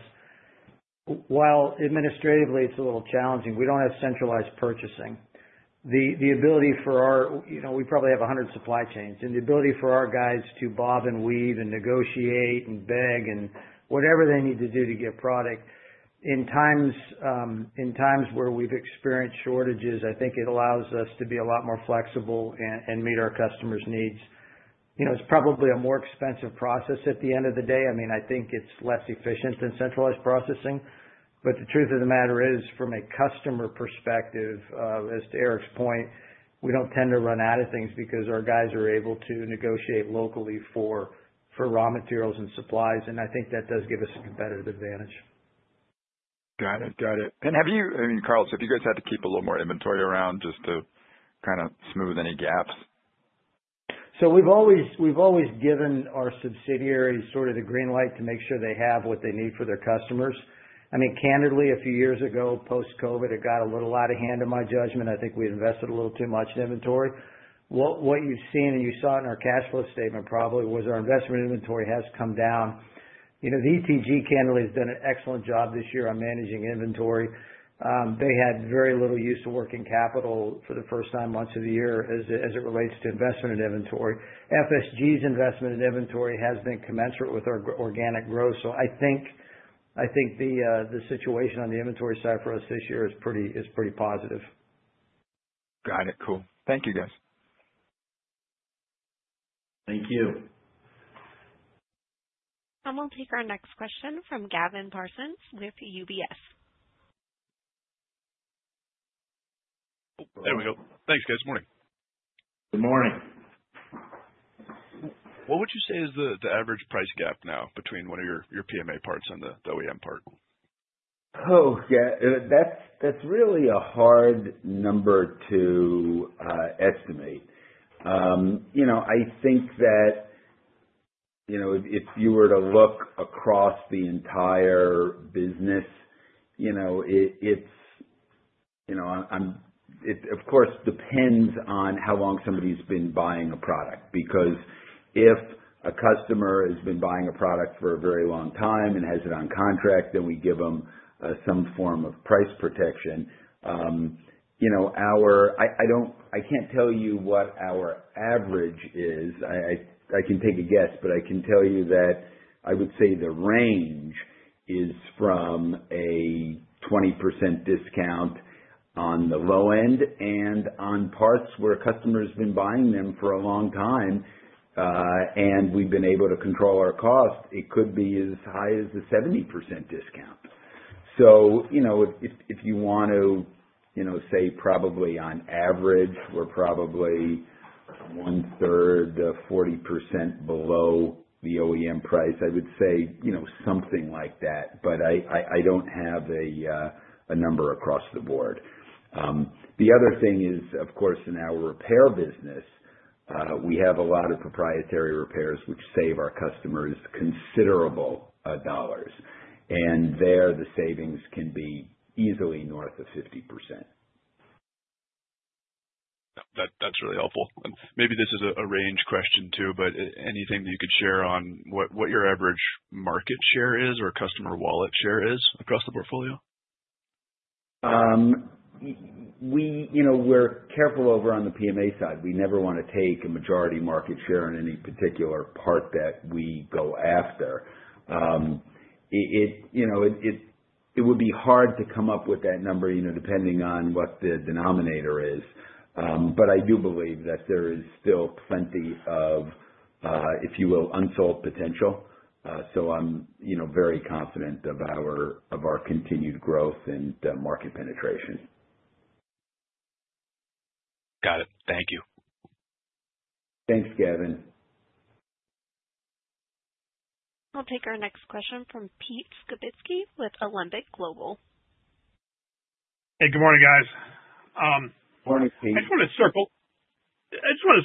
Speaker 5: While administratively it's a little challenging, we don't have centralized purchasing. The ability for our, you know, we probably have 100 supply chains and the ability for our guys to bob and weave and negotiate and beg and whatever they need to do to get product. In times where we've experienced shortages, I think it allows us to be a lot more flexible and meet our customers' needs. It's probably a more expensive process at the end of the day. I think it's less efficient than centralized processing. The truth of the matter is, from a customer perspective, as to Eric's point, we don't tend to run out of things because our guys are able to negotiate locally for raw materials and supplies. I think that does give us a competitive advantage.
Speaker 12: Got it. Got it. Have you, I mean, Carlos, have you guys had to keep a little more inventory around, just to kind of smooth any gaps?
Speaker 5: We have always given our subsidiary sort of the green light to make sure they have what they need for their customers. I mean, candidly, a few years ago, post Covid, it got a little out of hand, in my judgment. I think we invested a little too much in inventory. What you've seen and you saw in our cash flow statement probably was our investment in inventory has come down. You know, the ETG, candidly, has done an excellent job this year on managing inventory. They had very little use of working capital for the first nine months of the year. As it relates to investment in inventory, FSG's investment in inventory has been commensurate with our organic growth. I think the situation on the inventory side for us this year is pretty positive.
Speaker 12: Got it. Cool. Thank you, guys. Thank you.
Speaker 1: We will take our next question from Gavin Parsons with UBS.
Speaker 13: There we go. Thanks, guys. Morning. Good morning. What would you say is the average price gap now between one of your PMA parts and the OEM parts?
Speaker 2: Oh, yeah, that's really a hard number to estimate. I think that if you were to look across the entire business, it's, of course, depends on how long somebody's been buying a product. Because if a customer has been buying a product for a very long time and has it on contract, then we give them some form of price protection. I can't tell you what our average is. I can take a guess, but I can tell you that I would say the range is from a 20% discount on the low end, and on parts where customers have been buying them for a long time and we've been able to control our cost, it could be as high as a 70% discount. If you want to say, probably on average, we're probably 1/3, 40% below the OEM price. I would say something like that, but I don't have a number across the board. The other thing is, of course, in our repair business, we have a lot of proprietary repairs which save our customers considerable dollars. There the savings can be easily north of 50%.
Speaker 13: That's really helpful. Maybe this is a range question, too. Is there anything that you could share on? What your average market share is, or customer wallet share is across the portfolio?
Speaker 2: We're careful over on the PMA side. We never want to take a majority market share in any particular part that we go after. It would be hard to come up with that number, depending on what the denominator is. I do believe that there is still plenty of, if you will, unsold potential. I'm very confident of our continued growth and market penetration.
Speaker 13: Got it. Thank you.
Speaker 2: Thanks, Gavin.
Speaker 1: I'll take our next question from Peter Skibitski with Alembic Global.
Speaker 14: Hey, good morning, guys.
Speaker 3: Morning, Pete.
Speaker 14: I just want to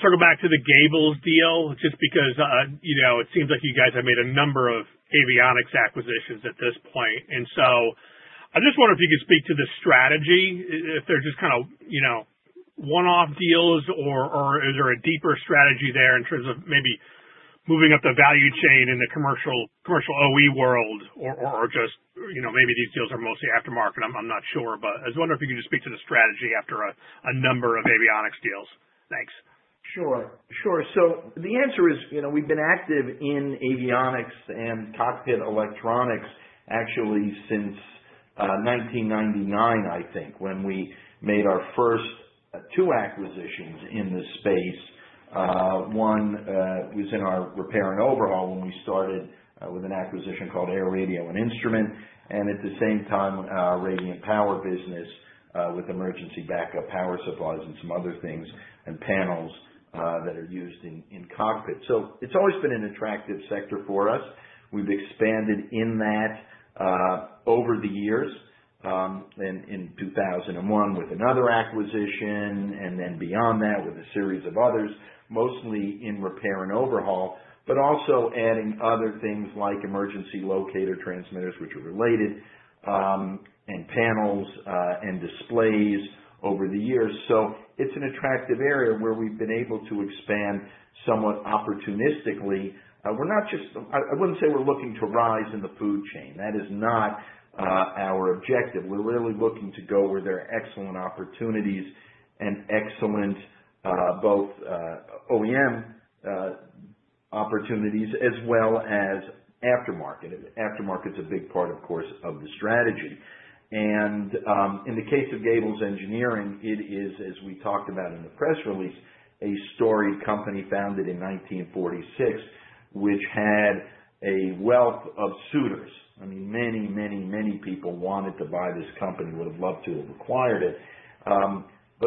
Speaker 14: circle back to the Gables Engineering deal just because, you know, it seems like you guys have made a number of avionics acquisitions at this point. I just wonder if you could speak to the strategy, if they're just kind of, you know, one-off deals, or if there is a deeper strategy there in terms of maybe moving up the value chain in the commercial OE world, or just, you know, maybe these deals are mostly aftermarket. I'm not sure. I wonder if you can just speak to the strategy after a number of avionics deals. Thanks.
Speaker 3: Sure, sure. We have been active in avionics and cockpit electronics actually since 1999, I think, when we made our first two acquisitions in this space. One was in our repair and overhaul when we started with an acquisition called Air Radio and Instrument, and at the same time, our Radiant Power business with emergency backup power supplies and some other things and panels that are used in cockpit. It has always been an attractive sector for us. We have expanded in that over the years in 2001 with another acquisition and then beyond that with a series of others, mostly in repair and overhaul, but also adding other things like emergency locator transmitters, which are related, and panels and displays over the years. It is an attractive area where we have been able to expand somewhat opportunistically. We are not just, I would not say we are looking to rise in the food chain. That is not our objective. We are really looking to go where there are excellent opportunities and excellent both OEM opportunities as well as aftermarket. Aftermarket is a big part, of course, of the strategy and in the case of Gables Engineering. It is, as we talked about in the press release, a storied company founded in 1946, which had a wealth of suitors. Many, many, many people wanted to buy this company, would have loved to have acquired it.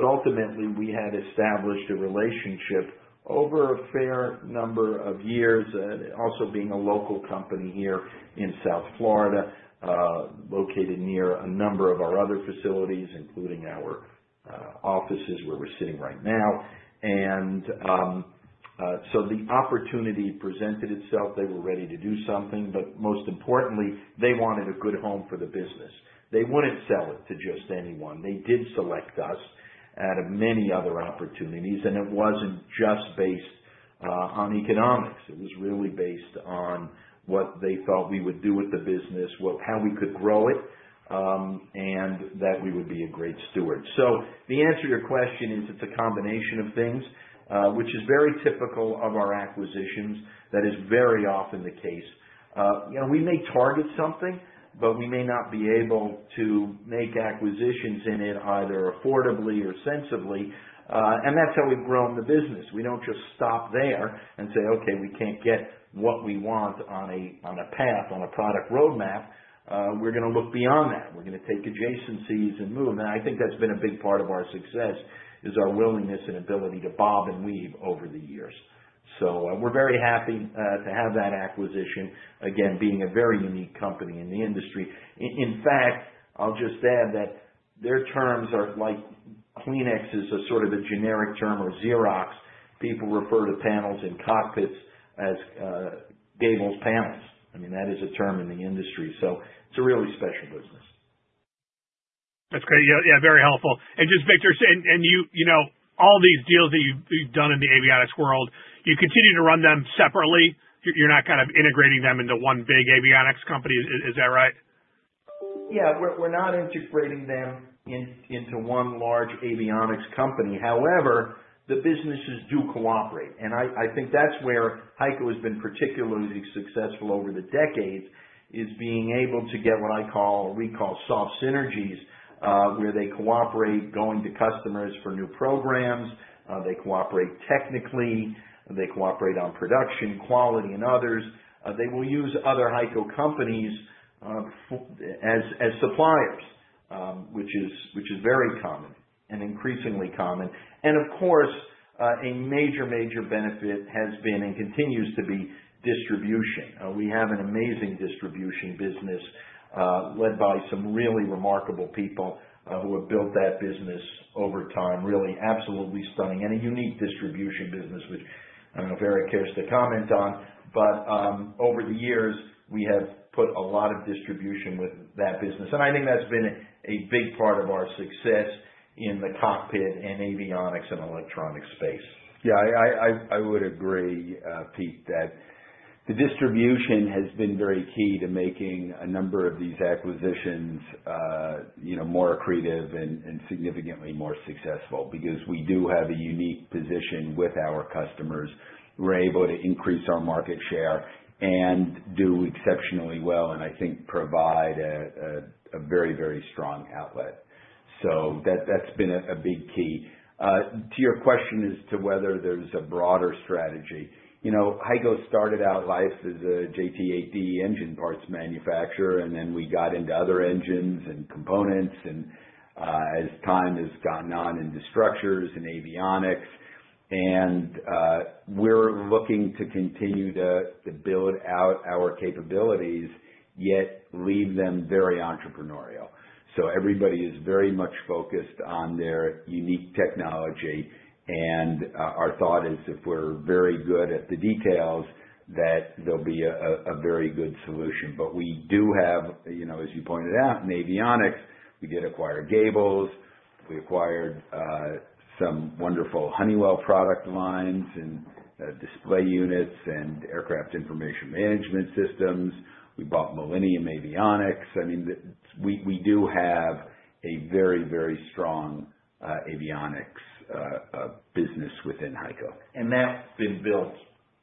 Speaker 3: Ultimately, we had established a relationship over a fair number of years, also being a local company here in South Florida, located near a number of our other facilities, including our offices where we're sitting right now. The opportunity presented itself. They were ready to do something, but most importantly, they wanted a good home for the business. They wouldn't sell it to just anyone. They did select us out of many other opportunities. It wasn't just based on economics. It was really based on what they thought we would do with the business, how we could grow it, and that we would be a great steward. The answer to your question is it's a combination of things, which is very typical of our acquisitions. That is very often the case. We may target something, but we may not be able to make acquisitions in it, either affordably or sensibly. That's how we've grown the business. We don't just stop there and say, okay, we can't get what we want on a path, on a product roadmap. We're going to look beyond that. We're going to take adjacencies and move now. I think that's been a big part of our success, is our willingness and ability to bob and weave over the years. We're very happy to have that acquisition, again, being a very unique company in the industry. In fact, I'll just add that their terms are like Kleenex is sort of a generic term, or Xerox. People refer to panels in cockpits as Gables panels. That is a term in the industry. It's a really special business.
Speaker 14: That's great. Yeah, very helpful. Just Victor and you, you know, all these deals that you've done in the avionics world, you continue to run them separately. You're not kind of integrating them into one big avionics company, is that right?
Speaker 3: Yeah, we're not integrating them into one large avionics company. However, the businesses do cooperate. I think that's where HEICO has been particularly successful over the decades, is being able to get what I call soft synergies, where they cooperate going to customers for new programs. They cooperate technically, they cooperate on production quality. Others will use other HEICO companies as suppliers, which is very common and increasingly common. Of course, a major, major benefit has been and continues to be distribution. We have an amazing distribution business led by some really remarkable people who have built that business over time. Really absolutely stunning. A unique distribution business which I don't know if Eric cares to comment on, but over the years we have put a lot of distribution with that business. I think that's been a big part of our success in the cockpit and avionics and electronic space.
Speaker 2: Yeah, I would agree, Pete, that the distribution has been very key to making a number of these acquisitions more accretive and significantly more successful. Because we do have a unique position with our customers, we're able to increase our market share and do exceptionally well, and I think provide a very, very strong outlet. That's been a big key to your question as to whether there's a broader strategy. You know, HEICO started out life as a JT8D engine parts manufacturer, and then we got into other engines and components, and as time has gone on, into structures and avionics. We're looking to continue to build out our capabilities yet leave them very entrepreneurial. Everybody is very much focused on their unique technology. Our thought is if we're very good at the details, there'll be a very good solution. We do have, as you pointed out, avionics, we did acquire Gables Engineering. We acquired some wonderful Honeywell International product lines and display units and aircraft information management systems. We bought Millennium Avionics. We do have a very, very strong avionics business within HEICO, and that's been built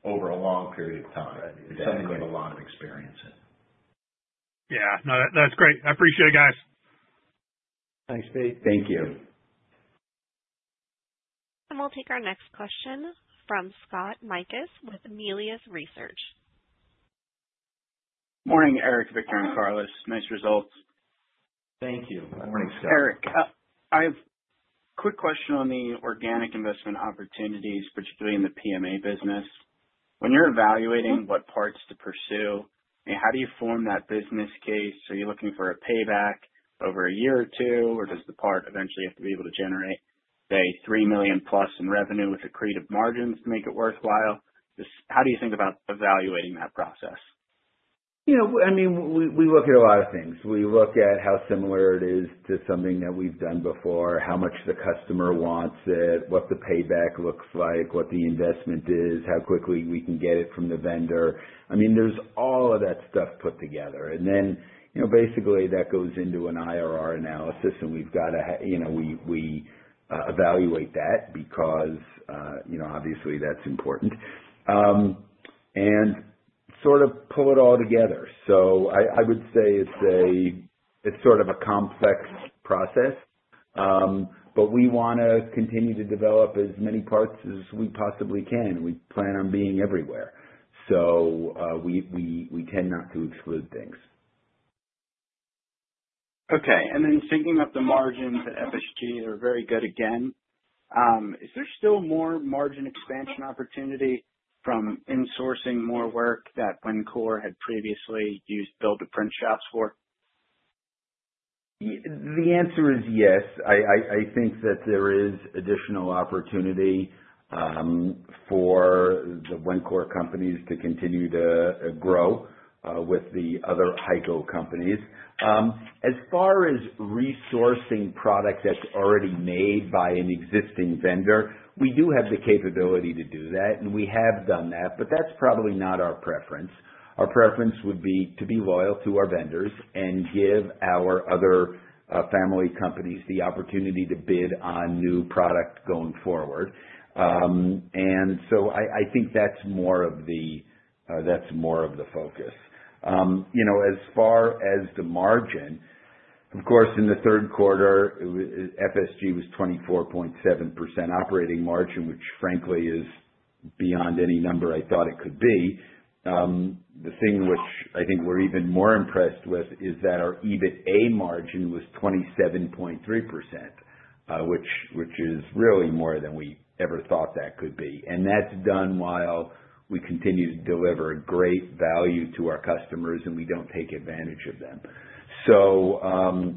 Speaker 2: over a long period of time. It's something we have a lot of experience.
Speaker 14: Yeah, that's great. I appreciate it, guys.
Speaker 3: Thanks, Pete.
Speaker 2: Thank you.
Speaker 1: We will take our next question from Scott Stephen Mikus with Melius Research.
Speaker 15: Morning, Eric, Victor, and Carlos. Nice results. Thank you. I'm ready, Scott. Eric, I have a quick question on the organic investment opportunities, particularly in the PMA business. When you're evaluating what parts to pursue, how do you form that business case? Are you looking for a payback over 1-2 years, or does the part eventually have to be able to generate, say, $3 million+ in revenue with accretive margins to make it worthwhile? How do you think about evaluating that process?
Speaker 2: We look at a lot of things. We look at how similar it is to something that we've done before, how much the customer wants it, what the payback looks like, what the investment is, how quickly we can get it from the vendor. I mean, all of that stuff is put together, and basically that goes into an IRR analysis. We've got to evaluate that because obviously that's important and sort of pull it all together. I would say it's sort of a complex process, but we want to continue to develop as many parts as we possibly can. We plan on being everywhere, so we tend not to exclude things. Okay.
Speaker 15: Syncing up the margins at FSG, they're very good again, is there still more margin expansion opportunity from insourcing more work that when core had previously used build-to-print shops for?
Speaker 2: The answer is yes. I think that there is additional opportunity for the Wencor companies to continue to grow with the other HEICO companies. As far as resourcing product that's already made by an existing vendor, we do have the capability to do that and we have done that, but that's probably not our preference. Our preference would be to be loyal to our vendors and give our other family companies the opportunity to bid on new product going forward. I think that's more of the focus. As far as the margin, of course in the third quarter FSG was 24.7% operating margin, which frankly is beyond any number I thought it could be. The thing which I think we're even more impressed with is that our EBITDA margin was 27.3%, which is really more than we ever thought that could be. That's done while we continue to deliver great value to our customers and we don't take advantage of them. If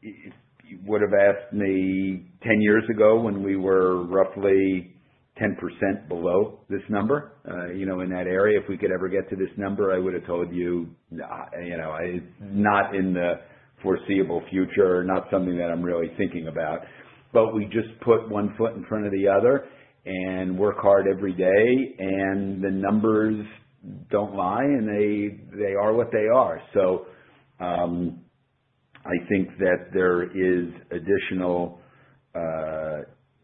Speaker 2: you would have asked me 10 years ago when we were roughly 10% below this number in that area, if we could ever get to this number, I would have told you not in the foreseeable future, not something that I'm really thinking about. We just put one foot in front of the other and work hard every day and the numbers don't lie and they are what they are. So, I think that there is additional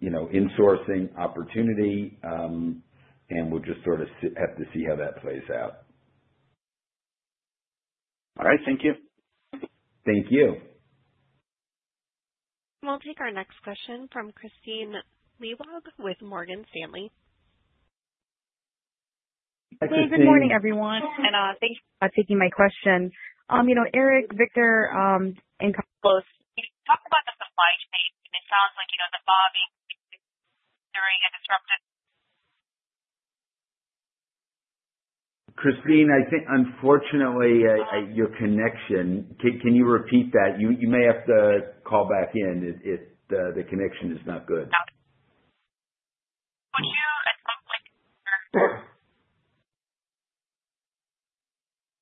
Speaker 2: insourcing opportunity, and we'll just sort of have to see how that plays out.
Speaker 15: All right, thank you.
Speaker 2: Thank you.
Speaker 1: We'll take our next question from Kristine Liwag with Morgan Stanley.
Speaker 16: Good morning, everyone, and thank you. Taking my question, you know, Eric, Victor. Talk about the supply chain. It sounds like, you know, during a disruption
Speaker 2: Christine, I think unfortunately your connection is not good. Can you repeat that? You may have to call back in if the connection is not good.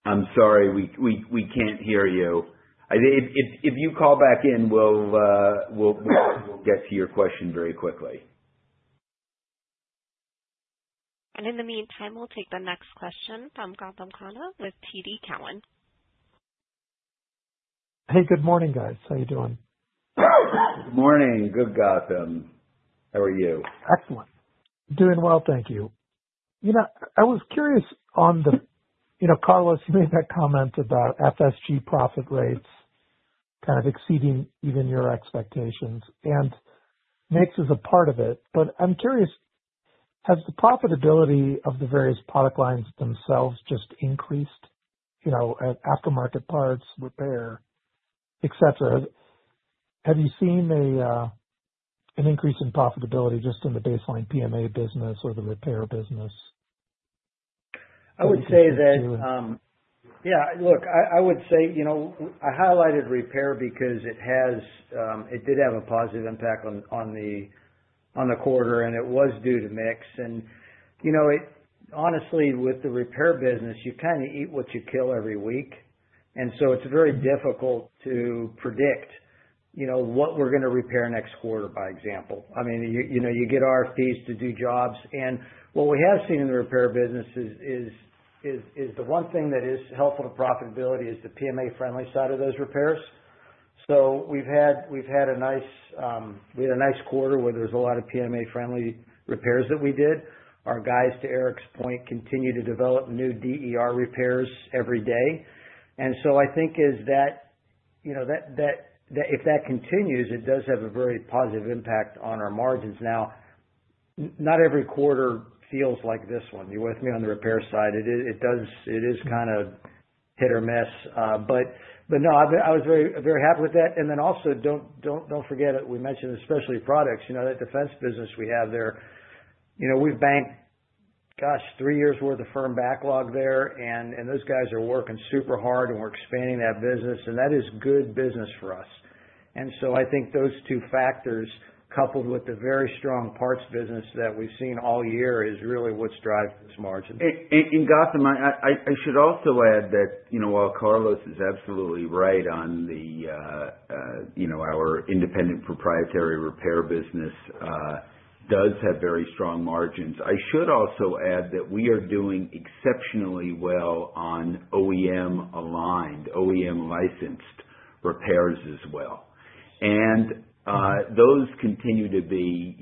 Speaker 2: I'm sorry, we can't hear you. If you call back in, we'll get to your question very quickly.
Speaker 1: In the meantime, we'll take the next question from Gautam Khanna with TD Cowan.
Speaker 17: Hey, good morning, guys. How you doing?
Speaker 2: Good morning. Good Gautam. How are you?
Speaker 17: Excellent. Doing well, thank you. I was curious, Carlos, you made that comment about FSG profit rates kind of exceeding even your expectations and mix is a part of it. I'm curious, has the profitability of the various product lines themselves just increased? Aftermarket replacement parts, repair, etc. Have you seen an increase in profitability just in the baseline PMA business or the repair business?
Speaker 5: I would say that. Yeah, look, I would say, you know, I highlighted repair because it has, it did have a positive impact on the quarter and it was due to mix. Honestly, with the repair business, you kind of eat what you kill every week. It's very difficult to predict, you know, what we're going to repair next quarter. By example, I mean, you know, you get our fees to do jobs. What we have seen in the repair business is the one thing that is helpful to profitability is the PMA friendly side of those repairs. So, we had a nice quarter where there's a lot of PMA-friendly repairs that we did. Our guys, to Eric's point, continue to develop new DER repairs every day. I think if that continues, it does have a very positive impact on our margins. Not every quarter feels like this one. You're with me on the repair side. It is kind of hit or miss, but I was very, very happy with that. Also, don't forget we mentioned specialty products, you know, that defense business we have there. We've banked, gosh, three years' worth of firm backlog there and those guys are working super hard and we're expanding that business and that is good business for us. I think those two factors coupled with the very strong parts business that we've seen all year is really what's driving this margin.
Speaker 2: And Gautam, I should also add that, while Carlos is absolutely right on the, our independent proprietary repair business does have very strong margins. I should also add that we are doing exceptionally well on OEM-aligned, OEM license repairs as well. Those continue to be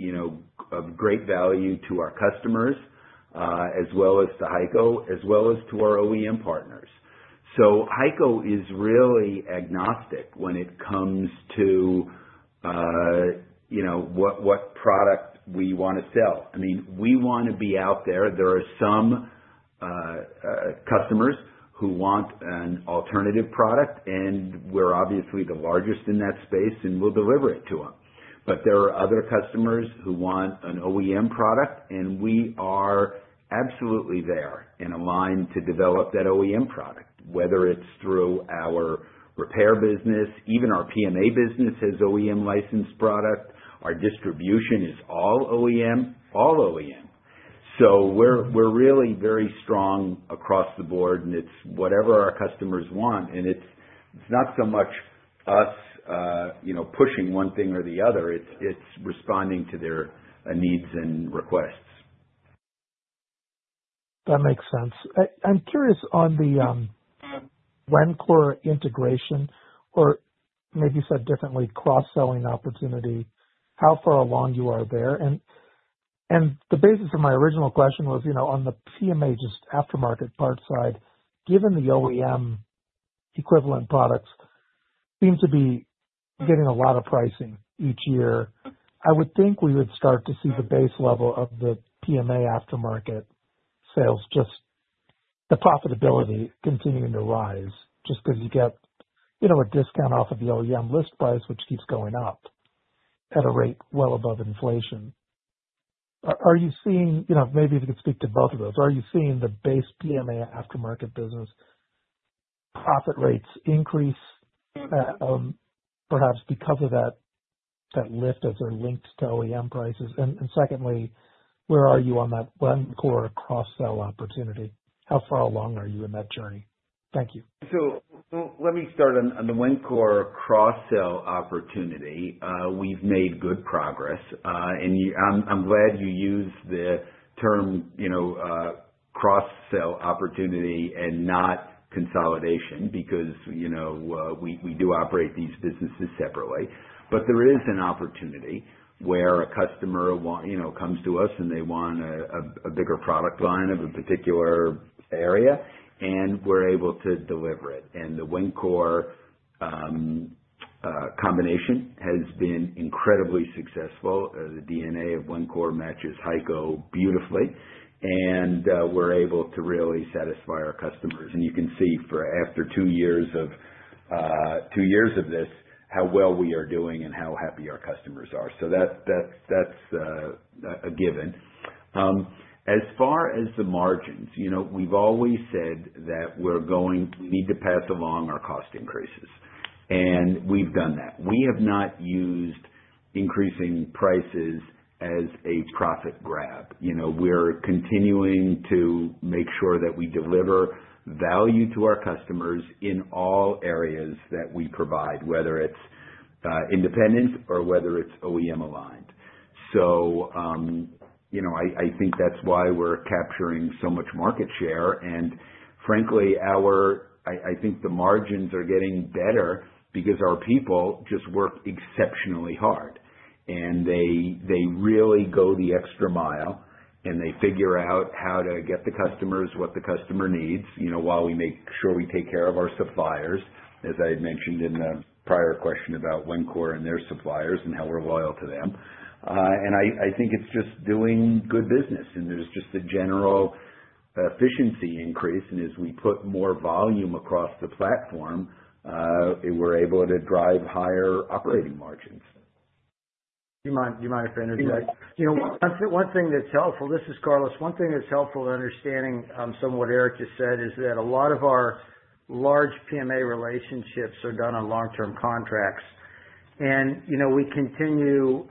Speaker 2: of great value to our customers as well as to HEICO, as well as to our OEM partners. HEICO is really agnostic when it comes to what product we want to sell. We want to be out there. There are some customers who want an alternative product and we're obviously the largest in that space and we'll deliver it to them. There are other customers who want an OEM product and we are absolutely there in a line to develop that OEM product, whether it's through our repair business. Even our PMA business has OEM-licensed product. Our distribution is all OEM, all OEM. We're really very strong across the board and it's whatever our customers want. It's not so much us pushing one thing or the other, it's responding to their needs and requests.
Speaker 17: That makes sense. I'm curious on the Wencor integration, or maybe said differently, cross selling opportunity, how far along you are there? The basis for my original question was, you know, on the PMA just aftermarket part side, given the OEM equivalent products seem to be getting a lot of pricing each year, I would think we would start to see the base level of the PMA aftermarket sales, just the profitability continuing to rise just because you get, you know, a discount off of the OEM list price which keeps going up at a rate well above inflation. Are you seeing, you know, maybe if you could speak to both of those. Are you seeing the base PMA aftermarket business profit rates increase perhaps because of that, that lift as they're linked to OEM prices? Secondly, where are you on that Wencor cross-sell opportunity? How far along are you in that journey? Thank you.
Speaker 2: Let me start on the Wencore cross-sell opportunity. We've made good progress and I'm glad you use the term cross sell opportunity and not consolidation because we do operate these businesses separately. There is an opportunity where a customer comes to us and they want a bigger product line of a particular area and we're able to deliver it. The Wencor combination has been incredibly successful. The DNA of Wencor matches HEICO beautifully and we're able to really satisfy our customers. You can see for after two years of this how well we are doing and how happy our customers are. That's a given. As far as the margins, you know, we've always said that we're going to need to pass along our cost increases and we've done that. We have not used increasing prices as a profit grab. We're continuing to make sure that we deliver value to our customers in all areas that we provide whether it's independent or whether it's OEM aligned. I think that's why we're capturing so much market share. Frankly, I think the margins are getting better because our people just work exceptionally hard and they really go the extra mile and they figure out how to get the customers what the customer needs while we make sure we take care of our suppliers. As I had mentioned in the prior question about Wencor and their suppliers and how we're loyal to them. I think it's just doing good business and there's just a general efficiency increase. As we put more volume across the platform, we're able to drive higher operating margins.
Speaker 5: Do you mind if I energize? One thing that's helpful, this is. Carlos, one thing that's helpful in understanding some of what Eric just said is that a lot of our large PMA relationships are done on long term contracts. We continue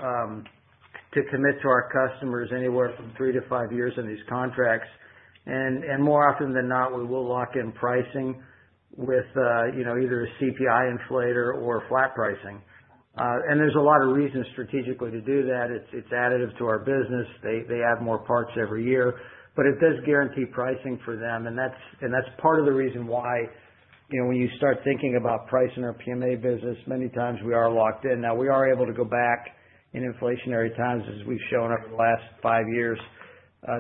Speaker 5: to commit to our customers anywhere from 3-5 years in these contracts. More often than not we will lock in pricing with either a CPI inflator or flat pricing. There are a lot of reasons strategically to do that. It's additive to our business. They add more parts every year, but it does guarantee pricing for them. That's part of the reason why when you start thinking about price in our PMA business, many times we are locked in. Now we are able to go back in inflationary times, as we've shown over the last five years,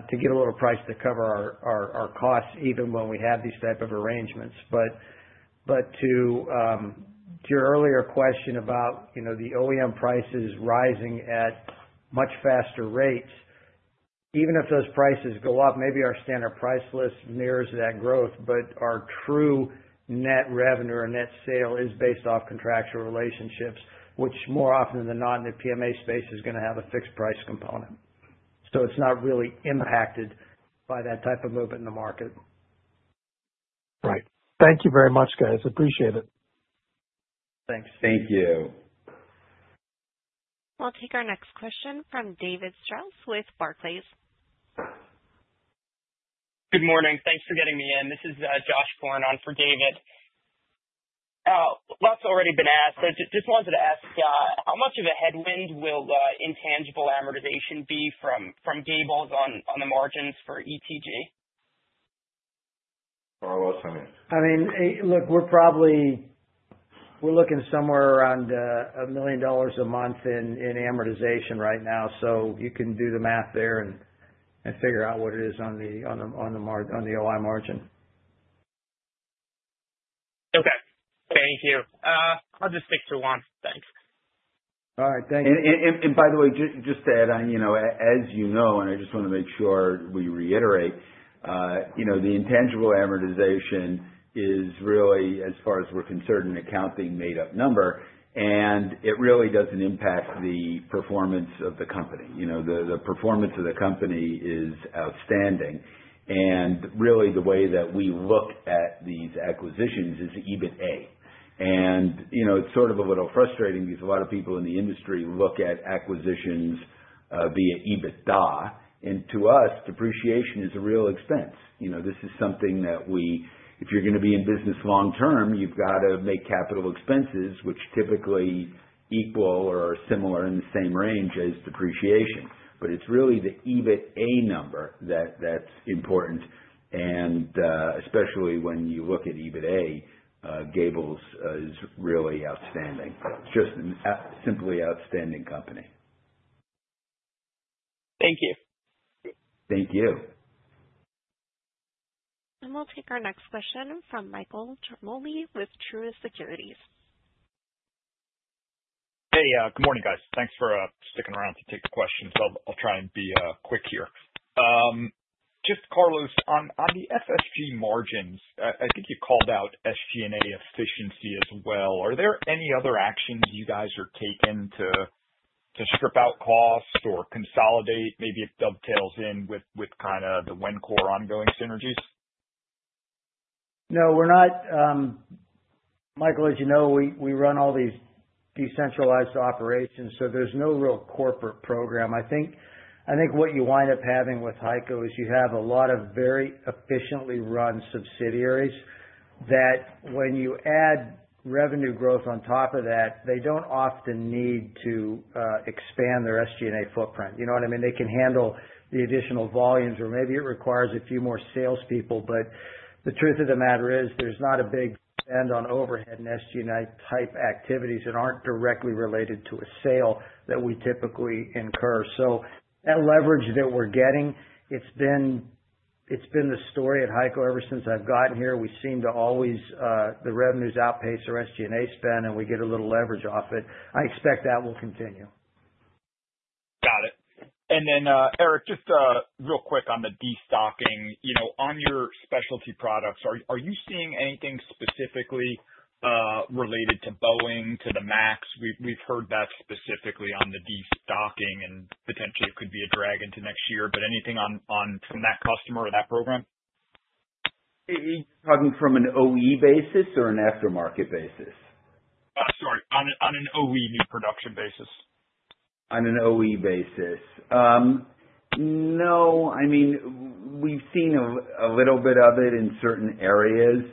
Speaker 5: to get a little price to cover our costs, even when we have these type of arrangements. To your earlier question about the OEM prices rising at much faster rates, even if those prices go up, maybe our standard price list mirrors that growth. Our true net revenue or net sale is based off contractual relationships which more often than not in the PMA space is going to have a fixed price component. It's not really impacted by that type of movement in the market.
Speaker 17: Right. Thank you very much, guys. Appreciate it.
Speaker 5: Thanks.
Speaker 2: Thank you.
Speaker 1: I'll take our next question from David Strauss with Barclays.
Speaker 18: Good morning. Thanks for getting me in. This is Josh Korn on for David. Lots already been asked. I just wanted to ask how much of a headwind will intangible amortization be from Gables on the margins for ETG?
Speaker 5: I mean, look, we're probably looking somewhere around $1 million a month in amortization right now. You can do the math there and figure out what it is on the OI margin.
Speaker 18: Okay, thank you. I'll just stick to one.
Speaker 2: Thanks.
Speaker 5: All right, thanks.
Speaker 2: By the way, just to add on, as you know and I just want to make sure we reiterate, the intangible amortization is really, as far as we're concerned, an accounting made up number and it really doesn't impact the performance of the company. The performance of the company is outstanding. The way that we look at these acquisitions is EBITA and it's sort of a little frustrating because a lot of people in the industry look at acquisitions via EBITDA and to us depreciation is a real expense. This is something that if you're going to be in business long term, you've got to make capital expenses which typically equal or are similar in the same range as depreciation. It's really the EBITA number that's important and especially when you look at EBITA, Gables is really outstanding. It's just simply an outstanding company.
Speaker 18: Thank you.
Speaker 2: Thank you.
Speaker 1: We will take our next question from Michael Ciarmoli with Truist Securities.
Speaker 19: Hey, good morning guys. Thanks for sticking around to take the questions. I'll try and be quick here. Just Carlos, on the FSG margins, I think you called out SG&A efficiency as well. Are there any other actions you guys are taking to strip out costs or consolidate? Maybe it dovetails in with kind of the Wencor ongoing synergies?
Speaker 5: No, we're not, Michael. As you know, we run all these decentralized operations, so there's no real corporate program. I think what you wind up having with HEICO is you have a lot of very efficiently run subsidiaries that, when you add revenue growth on top of that, they don't often need to expand their SG&A footprint. You know what I mean? They can handle the additional volumes, or maybe it requires a few more salespeople. The truth of the matter is there's not a big band on overhead and SG&A type activities that aren't directly related to a sale that we typically incur. That leverage that we're getting, it's been the story at HEICO ever since I've gotten here. We seem to always have the revenues outpace our SG&A spend, and we get a little leverage off it. I expect that will continue.
Speaker 19: Got it. And then Eric, just real quick on the destocking on your specialty products, are you seeing anything specifically related to Boeing to the MAX? We've heard that specifically on the destocking, and potentially it could be a drag into next year. Anything on from that customer or that program?
Speaker 2: Talking from an OE basis or an aftermarket basis?
Speaker 19: Sorry, on an OE production basis?
Speaker 2: On an OE basis? No, I mean, we've seen a little bit of it in certain areas.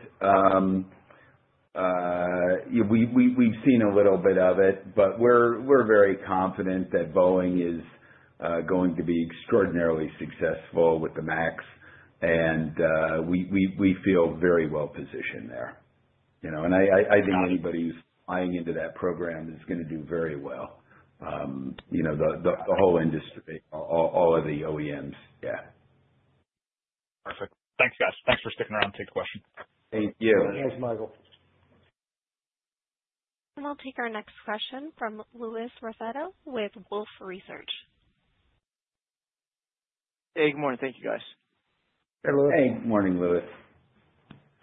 Speaker 2: We've seen a little bit of it, but we're very confident that Boeing is going to be extraordinarily successful with the MAXs and we feel very well positioned there, you know. I think anybody who's buying into that program is going to do very well. You know, the whole industry, all of the OEMs.
Speaker 19: Yeah, perfect. Thanks, guys. Thanks for sticking around and taking questions. Thank you.
Speaker 2: Thanks, Michael.
Speaker 1: We'll take our next question from Louis Raffetto with Wolfe Research.
Speaker 20: Hey, good morning, thank you, guys.
Speaker 2: Morning, Louis.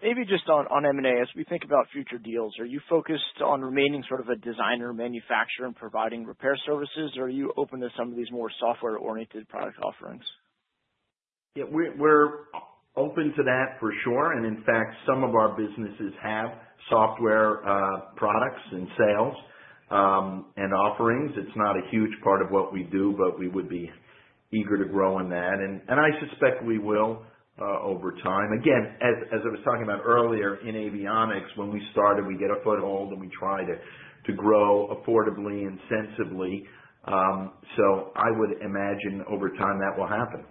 Speaker 20: Maybe just on M&A, as we think about future deals, are you focused on remaining sort of a designer manufacturer and providing repair services, or are you open to some of these more software-oriented product offerings?
Speaker 3: Yeah, we're open to that for sure. In fact, some of our businesses have software products and sales and offerings. It's not a huge part of what. We do, we would be eager to grow in that and I suspect we will over time. Again, as I was talking about earlier in avionics when we started, we get a foothold and we try to grow affordably and sensibly. I would imagine over time that will happen.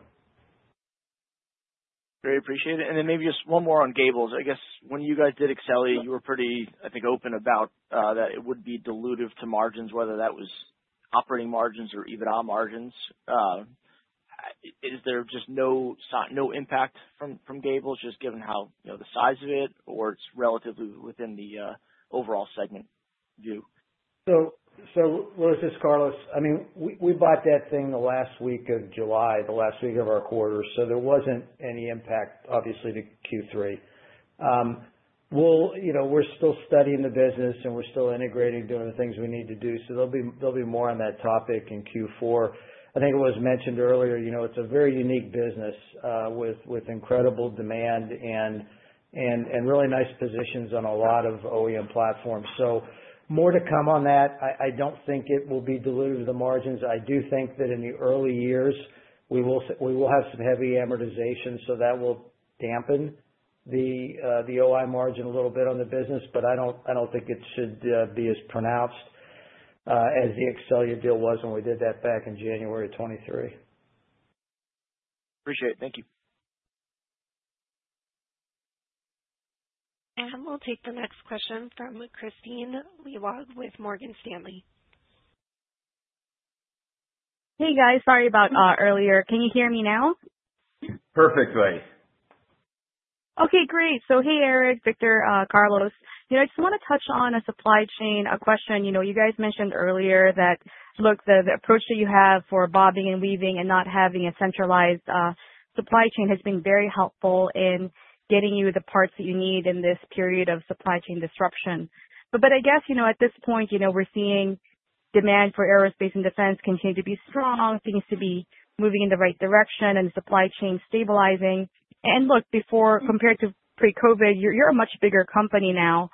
Speaker 20: Very appreciate it. Maybe just one more on Gables. I guess when you guys did Exxelia. You were pretty open about that it would be dilutive to margins, whether that was operating margins or even our margins. Is there just no sign, no impact from Gables, just given how, you know, the size of it or it's relatively within the overall segment view.
Speaker 5: Louis, it's Carlos. I mean we bought that thing the last week of July, the last week of our quarter. There wasn't any impact obviously to Q3. We're still studying the business and we're still integrating, doing the things we need to do. There'll be more on that topic in Q4. I think it was mentioned earlier, it's a very unique business with incredible demand and really nice positions on a lot of OEM platforms. More to come on that. I don't think it will be dilutive to the margins. I do think that in the early years we will have some heavy amortization. That will dampen the OI margin a little bit on the business. I don't think it should be as pronounced as the Exxelia deal was when we did that back in January of 2023.
Speaker 20: Appreciate it. Thank you.
Speaker 1: We'll take the next question from Kristine T. Liwag with Morgan Stanley.
Speaker 16: Hey guys, sorry about earlier. Can you hear me now?
Speaker 3: Perfectly.
Speaker 16: Okay, great. Hey Eric, Victor, Carlos. I just want to touch on a supply chain question. You guys mentioned earlier that the approach that you have for bobbing and weaving and not having a centralized supply chain has been very helpful in getting you the parts that you need in this period of supply chain disruption. I guess at this point, we're seeing demand for aerospace and defense continue to be strong, things to be moving in the right direction and supply chain stabilizing. Compared to pre-COVID, you're a much bigger company now.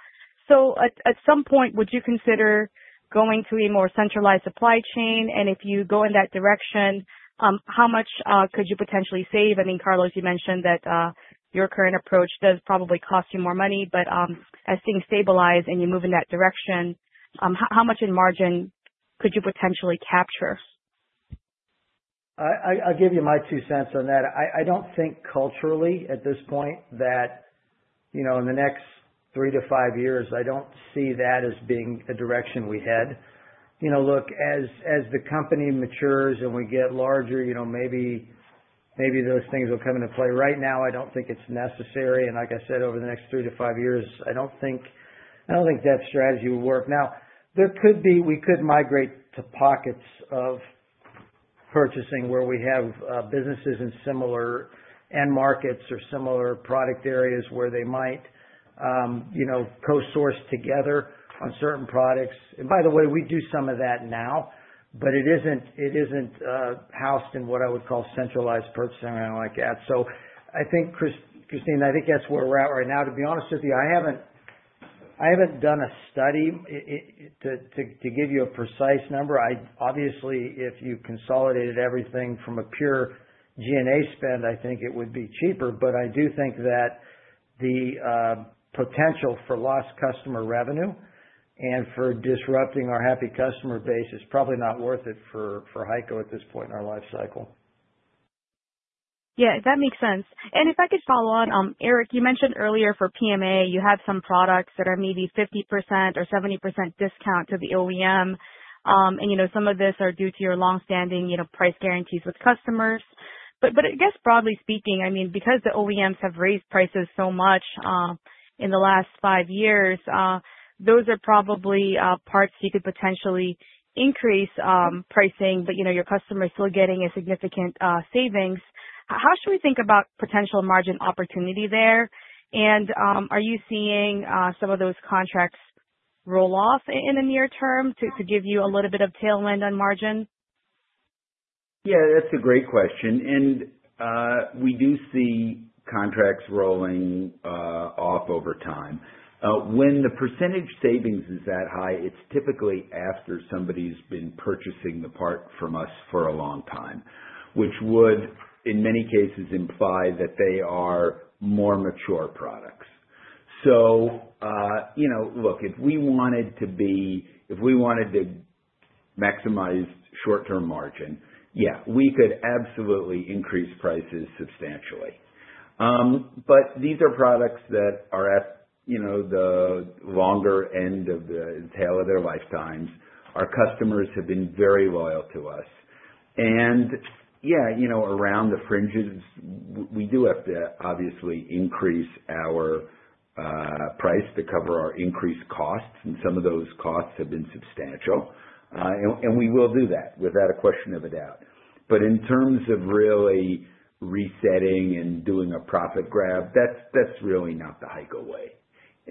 Speaker 16: At some point would you consider going to a more centralized supply chain? If you go in that direction, how much could you potentially save? I think, Carlos, you mentioned that your current approach does probably cost you more money, but as things stabilize and you move in that direction, how much in margin could you potentially capture?
Speaker 5: I'll give you my two cents on that. I don't think culturally at this point that in the next 3-5 years, I don't see that as being a direction we head. Look, as the company matures and we get larger, maybe those things will come into play. Right now I don't think it's necessary. Like I said, over the next 3-5 years, I don't think, I don't think that strategy will work. There could be, we could migrate to pockets of purchasing where we have businesses in similar end markets or similar product areas where they might, you know, co source together on certain products. By the way, we do some of that now, but it isn't housed in what I would call centralized purchasing or anything like that. I think, Kristine, I think that's where we're at right now. To be honest with you, I haven't done a study to give you a precise number. Obviously if you consolidated everything from a pure SG&A spend, I think it would be cheaper. I do think that the potential for lost customer revenue and for disrupting our happy customer base is probably not worth it for HEICO at this point in our life cycle.
Speaker 16: Yeah, that makes sense. If I could follow on, Eric, you mentioned earlier for PMA you have some products that are maybe 50% or 70% discount to the OEM. Some of this are due to your long standing, you know, price guarantees with customers? I guess broadly speaking, I mean, because the OEMs have raised prices so much in the last five years, those are probably parts you could potentially increase pricing. You know, your customer is still getting a significant savings. How should we think about potential margin opportunity there? Are you seeing some of those contracts roll off in the near term, to give you a little bit of tailwind on margin?
Speaker 2: That's a great question. We do see contracts rolling off over time. When the percentage savings is that high, it's typically after somebody's been purchasing from us for a long time, which would in many cases imply that they are more mature products. If we wanted to maximize short term margin, yeah, we could absolutely increase prices substantially. These are products that are at, you know, the longer end of the tail of their lifetime. Our customers have been very loyal to us. Yeah, around the fringes, we do have to obviously increase our price to cover our increased costs. Some of those costs have been substantial, and we will do that without a question of a doubt. In terms of really resetting and doing a profit grab, that's really not the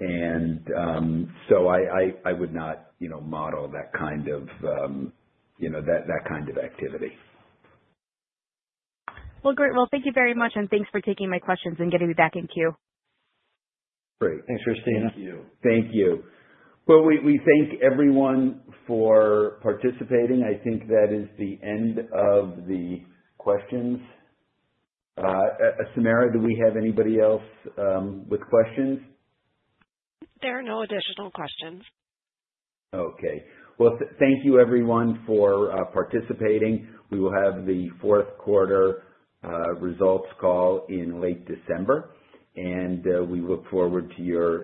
Speaker 2: HEICO world. I would not, you know, model that kind of activity.
Speaker 16: Well, great. Thank you very much, and thanks for taking my questions and getting me back in queue.
Speaker 2: Great,
Speaker 5: Thanks, Kristine.
Speaker 2: Thank you. Thank you. We thank everyone for participating. I think that is the end of the questions. Samara, do we have anybody else with questions?
Speaker 1: There are no additional questions.
Speaker 2: Thank you everyone for participating. We will have the fourth quarter results call in late December and we look forward to your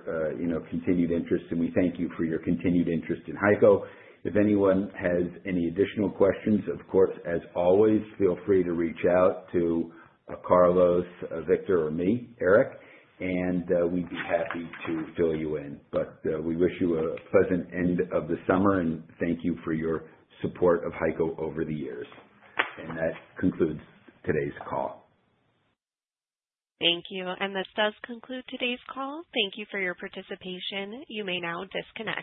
Speaker 2: continued interest. We thank you for your continued interest in HEICO. If anyone has any additional questions, of course, as always, feel free to reach out to Carlos, Victor, or me, Eric. We'd be happy to fill you in. We wish you a pleasant end of the summer and thank you for your support of HEICO over the years. That concludes today's call.
Speaker 1: Thank you. This does conclude today's call. Thank you for your participation. You may now disconnect.